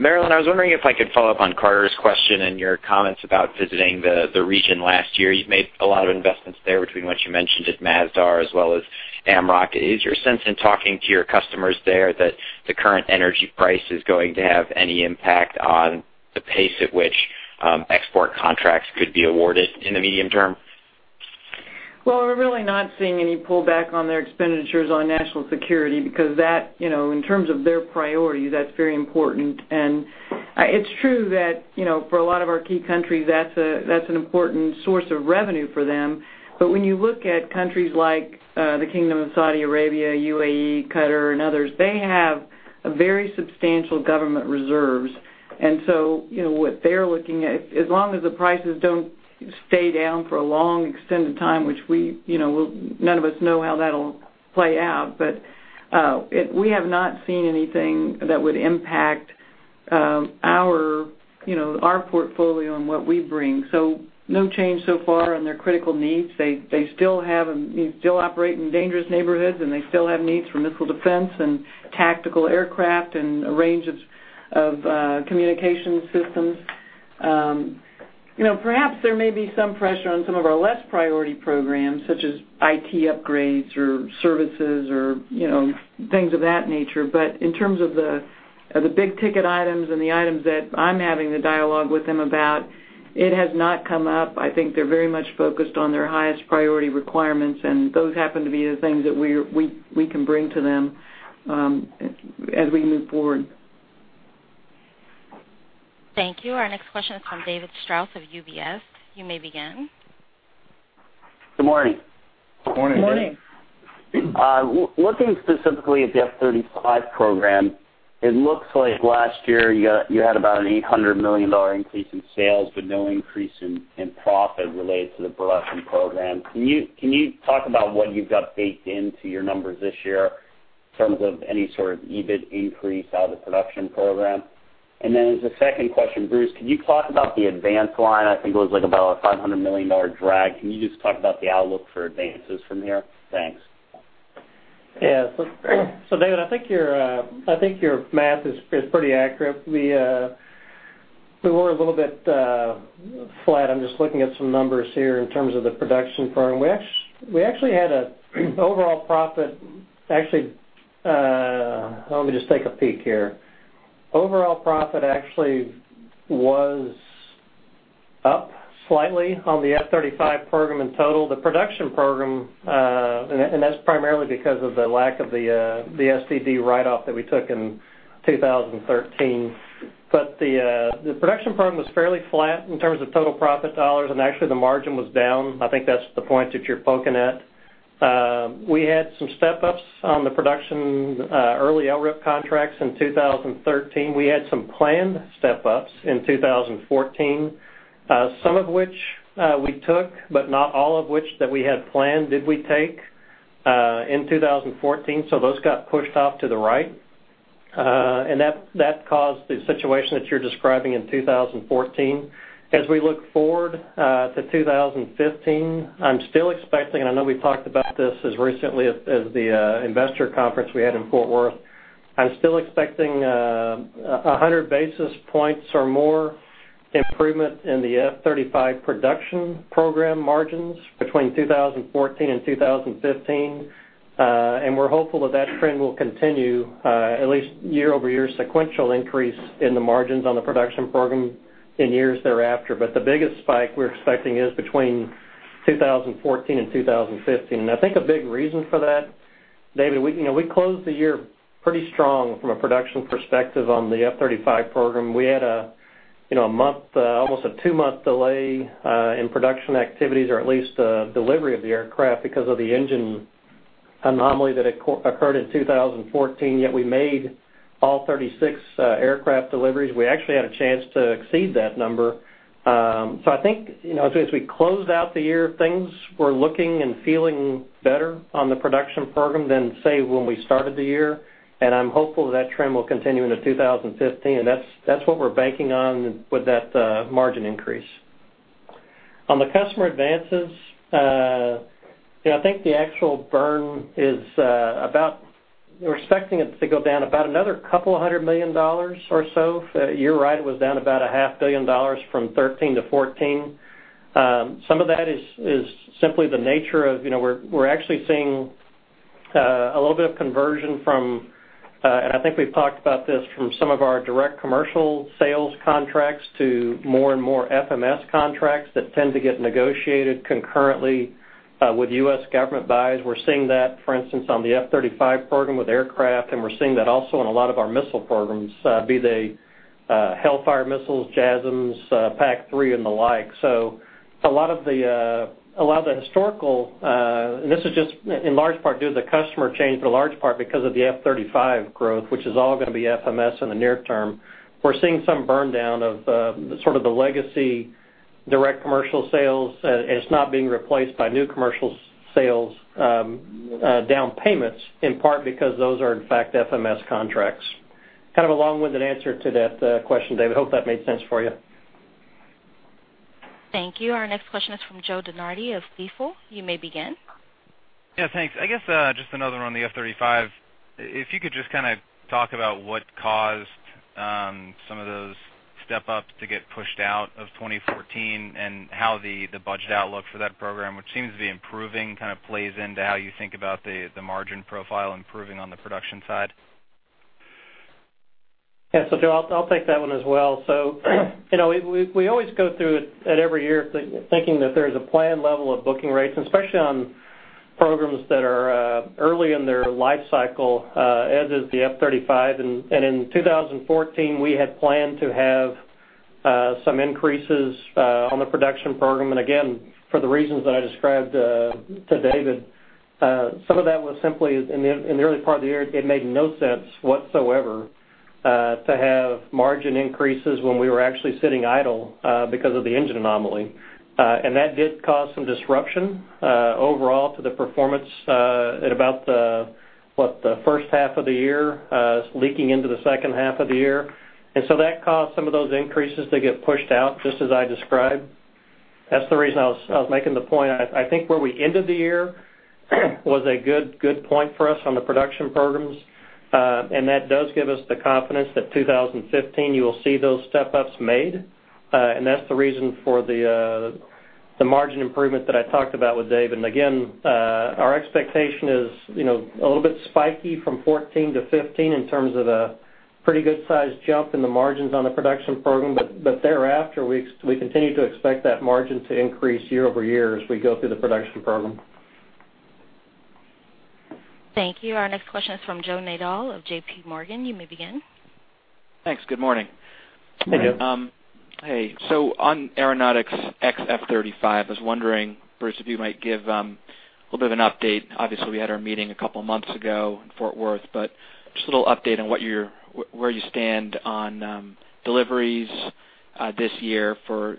Marillyn, I was wondering if I could follow up on Carter's question and your comments about visiting the region last year. You've made a lot of investments there between what you mentioned at Masdar as well as AMMROC. Is your sense in talking to your customers there that the current energy price is going to have any impact on the pace at which export contracts could be awarded in the medium term? Well, we're really not seeing any pullback on their expenditures on national security because that, in terms of their priority, that's very important. It's true that for a lot of our key countries, that's an important source of revenue for them. When you look at countries like the Kingdom of Saudi Arabia, UAE, Qatar, and others, they have very substantial government reserves. What they're looking at, as long as the prices don't stay down for a long extended time, which none of us know how that'll play out, we have not seen anything that would impact our portfolio and what we bring. No change so far on their critical needs. They still operate in dangerous neighborhoods, and they still have needs for missile defense and tactical aircraft and a range of communications systems. Perhaps there may be some pressure on some of our less priority programs, such as IT upgrades or services or things of that nature. In terms of the big-ticket items and the items that I'm having the dialogue with them about, it has not come up. I think they're very much focused on their highest priority requirements, those happen to be the things that we can bring to them as we move forward. Thank you. Our next question is from David Strauss of UBS. You may begin. Good morning. Good morning. Good morning. Looking specifically at the F-35 program, it looks like last year you had about an $800 million increase in sales, but no increase in profit related to the production program. Can you talk about what you've got baked into your numbers this year in terms of any sort of EBIT increase out of the production program? As a second question, Bruce, can you talk about the advance line? I think it was about a $500 million drag. Can you just talk about the outlook for advances from here? Thanks. Yeah. David, I think your math is pretty accurate. We were a little bit flat. I'm just looking at some numbers here in terms of the production program. We actually had an overall profit. Actually, let me just take a peek here. Overall profit actually was up slightly on the F-35 program in total. The production program, and that's primarily because of the lack of the SDD write-off that we took in 2013. The production program was fairly flat in terms of total profit dollars, and actually the margin was down. I think that's the point that you're poking at. We had some step-ups on the production early LRIP contracts in 2013. We had some planned step-ups in 2014. Some of which we took, but not all of which that we had planned did we take in 2014. Those got pushed off to the right. That caused the situation that you're describing in 2014. We look forward to 2015, I'm still expecting, and I know we've talked about this as recently as the investor conference we had in Fort Worth. I'm still expecting 100 basis points or more improvement in the F-35 production program margins between 2014 and 2015. We're hopeful that trend will continue at least year-over-year sequential increase in the margins on the production program in years thereafter. The biggest spike we're expecting is between 2014 and 2015. I think a big reason for that, David, we closed the year pretty strong from a production perspective on the F-35 program. We had almost a two-month delay in production activities or at least delivery of the aircraft because of the engine anomaly that occurred in 2014, yet we made all 36 aircraft deliveries. We actually had a chance to exceed that number. I think, as we closed out the year, things were looking and feeling better on the production program than, say, when we started the year. I'm hopeful that trend will continue into 2015. That's what we're banking on with that margin increase. On the customer advances, I think the actual burn is about, we're expecting it to go down about another couple of hundred million dollars or so. You're right. It was down about a half billion dollars from 2013 to 2014. Some of that is simply the nature of, we're actually seeing a little bit of conversion from, and I think we've talked about this, from some of our direct commercial sales contracts to more and more FMS contracts that tend to get negotiated concurrently with U.S. government buys. We're seeing that, for instance, on the F-35 program with aircraft, and we're seeing that also in a lot of our missile programs, be they Hellfire missiles, JASSM, PAC-3, and the like. A lot of the historical, and this is just in large part due to the customer change, but a large part because of the F-35 growth, which is all going to be FMS in the near term. We're seeing some burn down of sort of the legacy direct commercial sales, and it's not being replaced by new commercial sales down payments, in part because those are, in fact, FMS contracts. Kind of a long-winded answer to that question, David. Hope that made sense for you. Thank you. Our next question is from Joe DeNardi of Stifel. You may begin. Yeah, thanks. I guess just another one on the F-35. If you could just kind of talk about what caused some of those step-ups to get pushed out of 2014 and how the budget outlook for that program, which seems to be improving, kind of plays into how you think about the margin profile improving on the production side. Yeah. Joe, I'll take that one as well. We always go through it at every year thinking that there is a planned level of booking rates, especially on programs that are early in their life cycle, as is the F-35. In 2014, we had planned to have some increases on the production program. Again, for the reasons that I described to David, some of that was simply in the early part of the year, it made no sense whatsoever to have margin increases when we were actually sitting idle because of the engine anomaly. That did cause some disruption overall to the performance at about the first half of the year, leaking into the second half of the year. That caused some of those increases to get pushed out, just as I described. That's the reason I was making the point. I think where we ended the year was a good point for us on the production programs. That does give us the confidence that 2015, you will see those step-ups made. That's the reason for the margin improvement that I talked about with Dave. Again, our expectation is a little bit spiky from 2014 to 2015 in terms of a pretty good size jump in the margins on the production program. Thereafter, we continue to expect that margin to increase year-over-year as we go through the production program. Thank you. Our next question is from Joseph Nadol of JP Morgan. You may begin. Thanks. Good morning. Hey, Joe. Hey. On Aeronautics F-35, I was wondering, Bruce, if you might give a little bit of an update. Obviously, we had our meeting a couple of months ago in Fort Worth, but just a little update on where you stand on deliveries this year,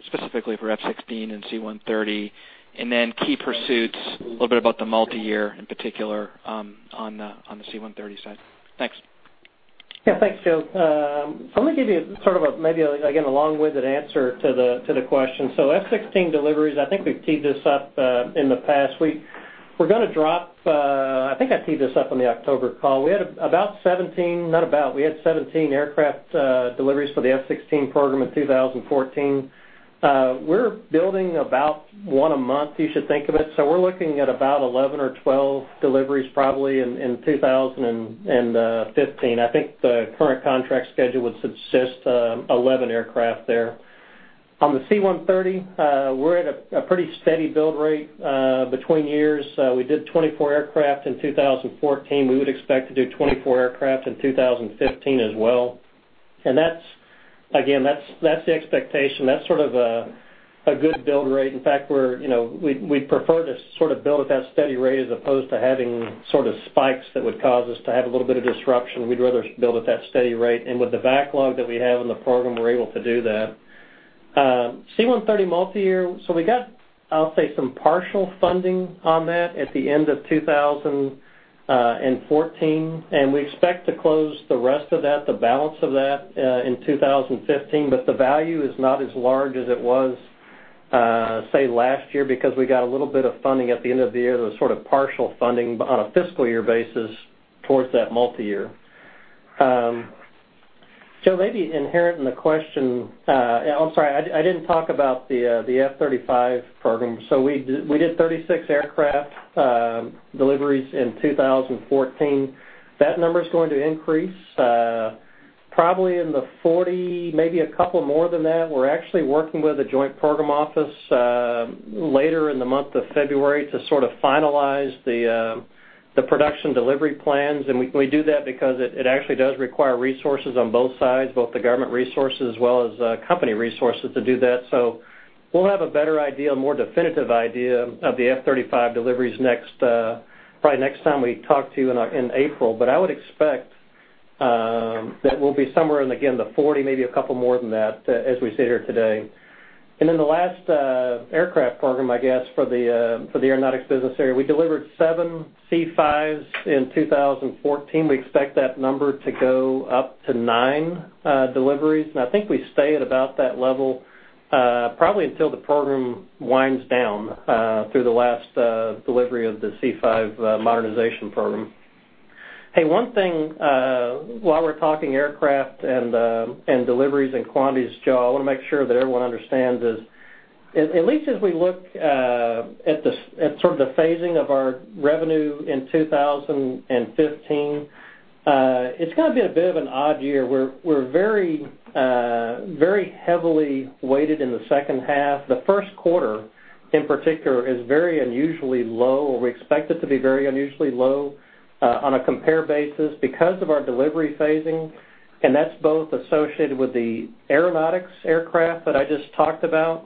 specifically for F-16 and C-130, and then key pursuits, a little bit about the multi-year in particular on the C-130 side. Thanks. Yeah, thanks, Joe. Let me give you sort of a, maybe, again, a long-winded answer to the question. F-16 deliveries, I think we've teed this up in the past. We're going to drop, I think I teed this up on the October call. We had 17 aircraft deliveries for the F-16 program in 2014. We're building about one a month, you should think of it. We're looking at about 11 or 12 deliveries probably in 2015. I think the current contract schedule would suggest 11 aircraft there. On the C-130, we're at a pretty steady build rate between years. We did 24 aircraft in 2014. We would expect to do 24 aircraft in 2015 as well. Again, that's the expectation. That's sort of a good build rate. In fact, we'd prefer to sort of build at that steady rate as opposed to having sort of spikes that would cause us to have a little bit of disruption. We'd rather build at that steady rate. With the backlog that we have in the program, we're able to do that. C-130 multi-year, we got, I'll say some partial funding on that at the end of 2014, and we expect to close the rest of that, the balance of that, in 2015. The value is not as large as it was, say, last year, because we got a little bit of funding at the end of the year. There was sort of partial funding on a fiscal year basis towards that multi-year. Joe, maybe inherent in the question. I'm sorry, I didn't talk about the F-35 program. We did 36 aircraft deliveries in 2014. That number's going to increase, probably in the 40, maybe a couple more than that. We're actually working with a joint program office later in the month of February to sort of finalize the production delivery plans. We do that because it actually does require resources on both sides, both the government resources as well as company resources to do that. We'll have a better idea, a more definitive idea, of the F-35 deliveries probably next time we talk to you in April. I would expect that we'll be somewhere in, again, the 40, maybe a couple more than that as we sit here today. Then the last aircraft program, I guess, for the Aeronautics business area, we delivered seven C-5s in 2014. We expect that number to go up to nine deliveries. I think we stay at about that level probably until the program winds down through the last delivery of the C-5 modernization program. Hey, one thing, while we're talking aircraft and deliveries and quantities, Joe, I want to make sure that everyone understands is, at least as we look at sort of the phasing of our revenue in 2015, it's going to be a bit of an odd year. We're very heavily weighted in the second half. The first quarter, in particular, is very unusually low, or we expect it to be very unusually low on a compare basis because of our delivery phasing, and that's both associated with the Aeronautics aircraft that I just talked about.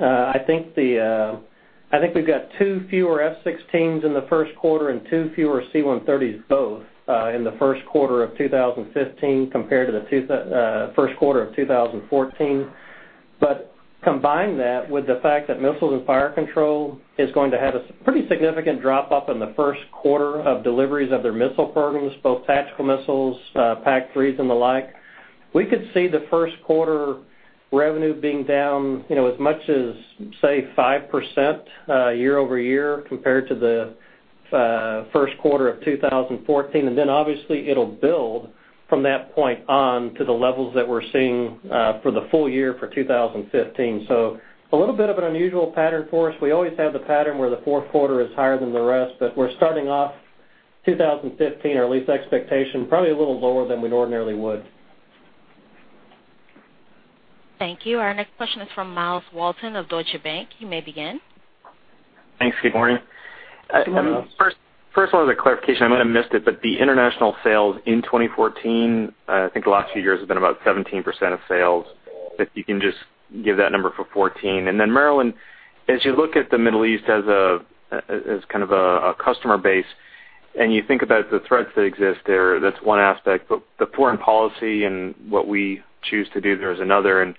I think we've got two fewer F-16s in the first quarter and two fewer C-130s both in the first quarter of 2015 compared to the first quarter of 2014. Combine that with the fact that Missiles and Fire Control is going to have a pretty significant drop off in the first quarter of deliveries of their missile programs, both tactical missiles, PAC-3s and the like. We could see the first quarter revenue being down as much as, say, 5% year-over-year compared to the first quarter of 2014. Then obviously it'll build from that point on to the levels that we're seeing for the full year for 2015. A little bit of an unusual pattern for us. We always have the pattern where the fourth quarter is higher than the rest, we're starting off 2015, or at least expectation, probably a little lower than we'd ordinarily would. Thank you. Our next question is from Myles Walton of Deutsche Bank. You may begin. Thanks. Good morning. Good morning, Myles. First of all, as a clarification, I might have missed it, but the international sales in 2014, I think the last few years have been about 17% of sales. If you can just give that number for 2014. Then, Marillyn, as you look at the Middle East as a customer base, and you think about the threats that exist there, that's one aspect. The foreign policy and what we choose to do there is another, and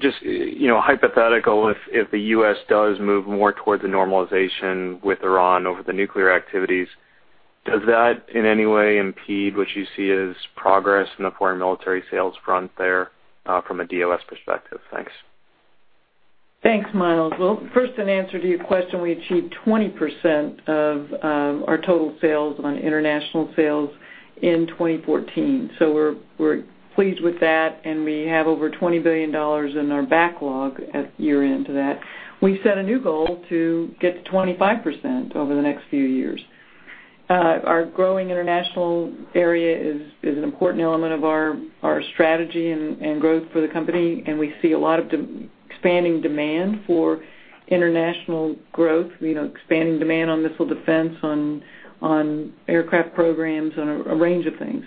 just hypothetical, if the U.S. does move more towards a normalization with Iran over the nuclear activities, does that in any way impede what you see as progress in the foreign military sales front there from a DOS perspective? Thanks. Thanks, Myles. First, in answer to your question, we achieved 20% of our total sales on international sales in 2014. We're pleased with that, and we have over $20 billion in our backlog at year-end to that. We've set a new goal to get to 25% over the next few years. Our growing international area is an important element of our strategy and growth for the company, and we see a lot of expanding demand for international growth, expanding demand on missile defense, on aircraft programs, and a range of things.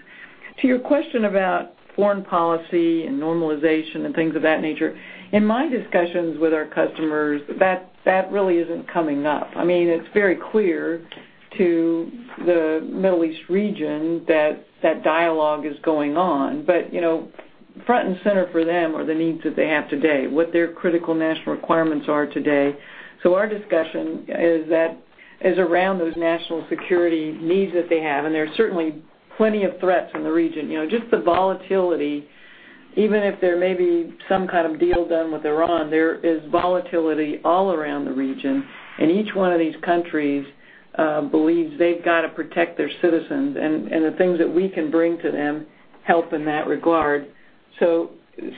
To your question about foreign policy and normalization and things of that nature, in my discussions with our customers, that really isn't coming up. It's very clear to the Middle East region that that dialogue is going on. Front and center for them are the needs that they have today, what their critical national requirements are today. Our discussion is around those national security needs that they have, and there are certainly plenty of threats in the region. Just the volatility, even if there may be some kind of deal done with Iran, there is volatility all around the region, and each one of these countries believes they've got to protect their citizens, and the things that we can bring to them help in that regard.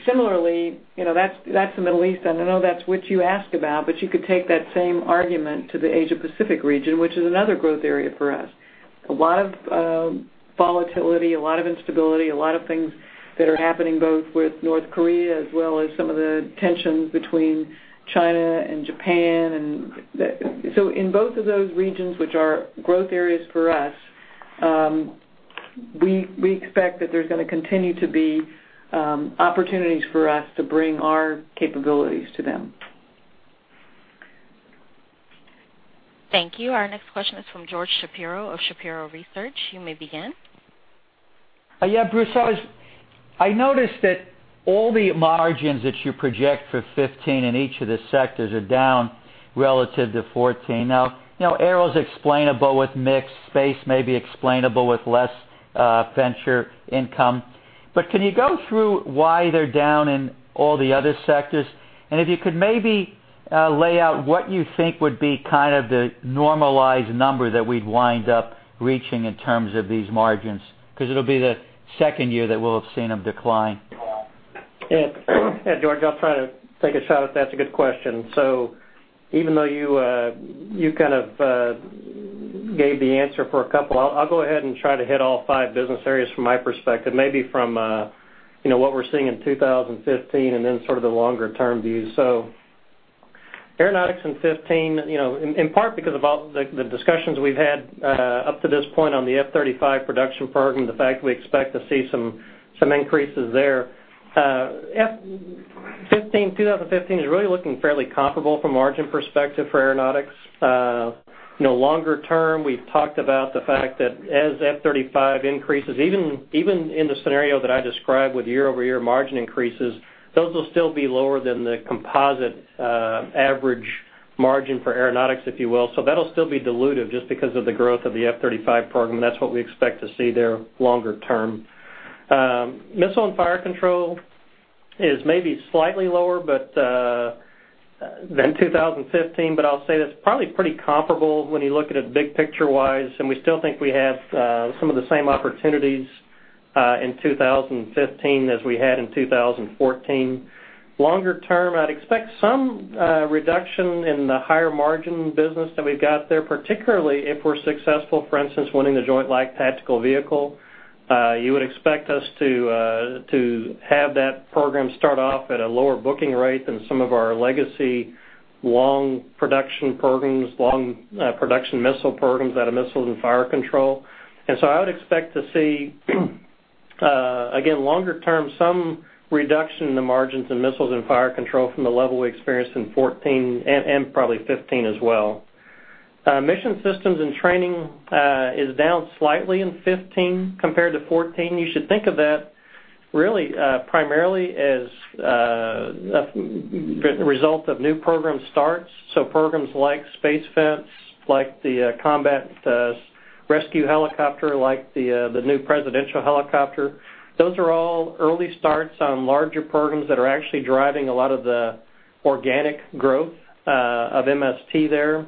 Similarly, that's the Middle East, and I know that's what you asked about, but you could take that same argument to the Asia-Pacific region, which is another growth area for us. A lot of volatility, a lot of instability, a lot of things that are happening both with North Korea as well as some of the tensions between China and Japan. In both of those regions, which are growth areas for us, we expect that there's going to continue to be opportunities for us to bring our capabilities to them. Thank you. Our next question is from George Shapiro of Shapiro Research. You may begin. Bruce, I noticed that all the margins that you project for 2015 in each of the sectors are down relative to 2014. Aero's explainable with mix, Space may be explainable with less venture income. Can you go through why they're down in all the other sectors? If you could maybe lay out what you think would be kind of the normalized number that we'd wind up reaching in terms of these margins, because it'll be the second year that we'll have seen them decline. George, I'll try to take a shot at that. It's a good question. Even though you kind of gave the answer for a couple, I'll go ahead and try to hit all five business areas from my perspective, maybe from what we're seeing in 2015 and then sort of the longer term view. Aeronautics in 2015, in part because of all the discussions we've had up to this point on the F-35 production program, the fact we expect to see some increases there. 2015 is really looking fairly comparable from a margin perspective for Aeronautics. Longer term, we've talked about the fact that as F-35 increases, even in the scenario that I described with year-over-year margin increases, those will still be lower than the composite average margin for Aeronautics, if you will. That'll still be dilutive just because of the growth of the F-35 program. That's what we expect to see there longer term. Missiles & Fire Control is maybe slightly lower 19,015, but I'll say that's probably pretty comparable when you look at it big picture-wise, and we still think we have some of the same opportunities in 2015 as we had in 2014. Longer term, I'd expect some reduction in the higher margin business that we've got there, particularly if we're successful, for instance, winning the Joint Light Tactical Vehicle. You would expect us to have that program start off at a lower booking rate than some of our legacy long production missile programs out of Missiles & Fire Control. I would expect to see, again, longer term, some reduction in the margins in Missiles & Fire Control from the level we experienced in 2014 and probably 2015 as well. Mission Systems and Training is down slightly in 2015 compared to 2014. You should think of that really primarily as a result of new program starts. Programs like Space Fence, like the Combat Rescue Helicopter, like the new presidential helicopter, those are all early starts on larger programs that are actually driving a lot of the organic growth of MST there.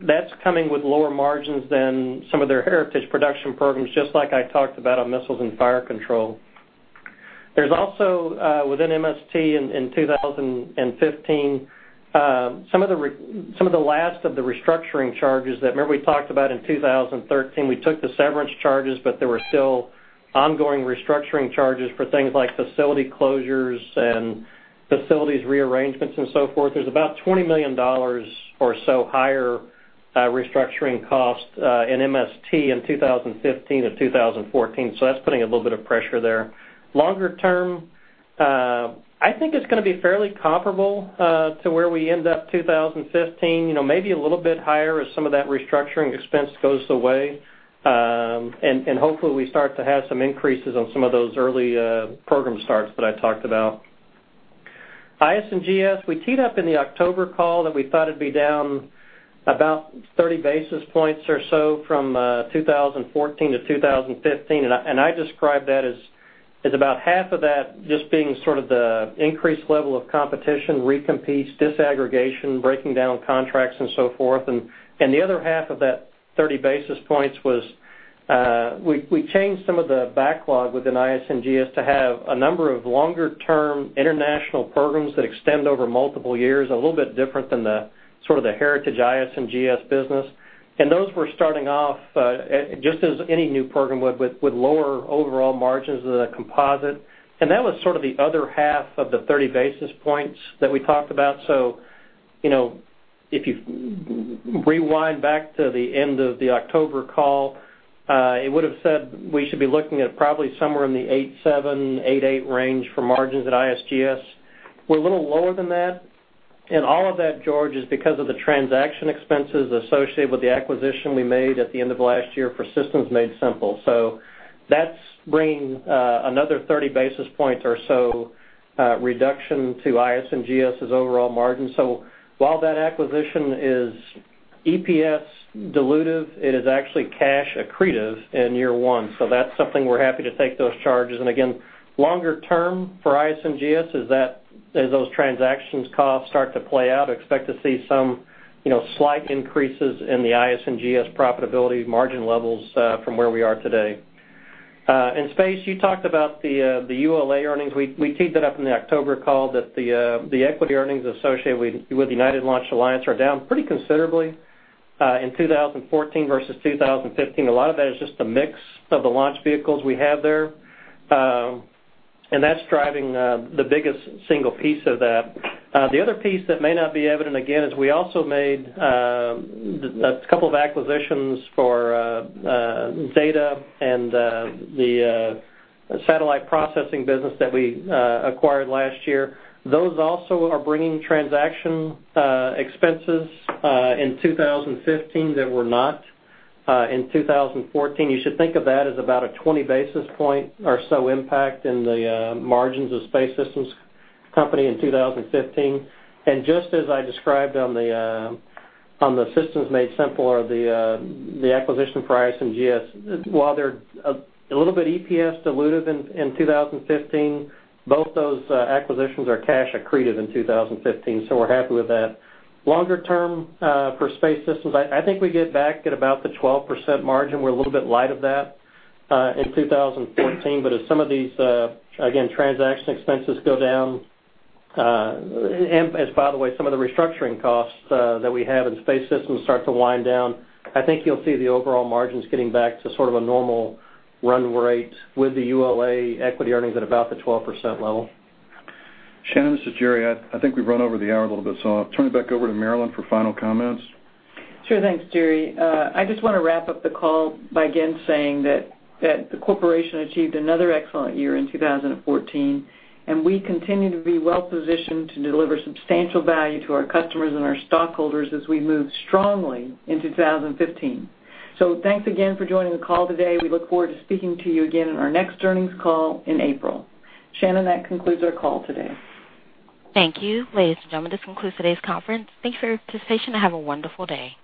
That's coming with lower margins than some of their heritage production programs, just like I talked about on Missiles & Fire Control. There's also, within MST in 2015, some of the last of the restructuring charges that, remember we talked about in 2013, we took the severance charges, but there were still ongoing restructuring charges for things like facility closures and facilities rearrangements and so forth. There's about $20 million or so higher restructuring cost in MST in 2015 than 2014. That's putting a little bit of pressure there. Longer term I think it's going to be fairly comparable to where we end up 2015, maybe a little bit higher as some of that restructuring expense goes away. Hopefully we start to have some increases on some of those early program starts that I talked about. IS&GS, we teed up in the October call that we thought it'd be down about 30 basis points or so from 2014 to 2015. I described that as about half of that just being sort of the increased level of competition, recompetes, disaggregation, breaking down contracts, and so forth. The other half of that 30 basis points was, we changed some of the backlog within IS&GS to have a number of longer-term international programs that extend over multiple years, a little bit different than the heritage IS&GS business. Those were starting off, just as any new program would, with lower overall margins than the composite. That was sort of the other half of the 30 basis points that we talked about. If you rewind back to the end of the October call, it would've said we should be looking at probably somewhere in the 8.7, 8.8 range for margins at IS&GS. We're a little lower than that. All of that, George, is because of the transaction expenses associated with the acquisition we made at the end of last year for Systems Made Simple. That's bringing another 30 basis points or so reduction to IS&GS's overall margin. While that acquisition is EPS dilutive, it is actually cash accretive in year one. That's something we're happy to take those charges. Again, longer term for IS&GS, as those transactions costs start to play out, expect to see some slight increases in the IS&GS profitability margin levels from where we are today. In space, you talked about the ULA earnings. We teed that up in the October call that the equity earnings associated with United Launch Alliance are down pretty considerably in 2014 versus 2015. A lot of that is just the mix of the launch vehicles we have there. That's driving the biggest single piece of that. The other piece that may not be evident, again, is we also made a couple of acquisitions for data and the satellite processing business that we acquired last year. Those also are bringing transaction expenses in 2015 that were not in 2014. You should think of that as about a 20 basis point or so impact in the margins of Space Systems Company in 2015. Just as I described on the Systems Made Simple or the acquisition for IS&GS, while they're a little bit EPS dilutive in 2015, both those acquisitions are cash accretive in 2015, we're happy with that. Longer term for Space Systems, I think we get back at about the 12% margin. We're a little bit light of that in 2014. As some of these, again, transaction expenses go down, and as, by the way, some of the restructuring costs that we have in Space Systems start to wind down, I think you'll see the overall margins getting back to sort of a normal run rate with the ULA equity earnings at about the 12% level. Shannon, this is Jerry. I think we've run over the hour a little bit, so I'll turn it back over to Marillyn for final comments. Sure. Thanks, Jerry. I just want to wrap up the call by again saying that the corporation achieved another excellent year in 2014, and we continue to be well-positioned to deliver substantial value to our customers and our stockholders as we move strongly into 2015. Thanks again for joining the call today. We look forward to speaking to you again in our next earnings call in April. Shannon, that concludes our call today. Thank you. Ladies and gentlemen, this concludes today's conference. Thank you for your participation and have a wonderful day.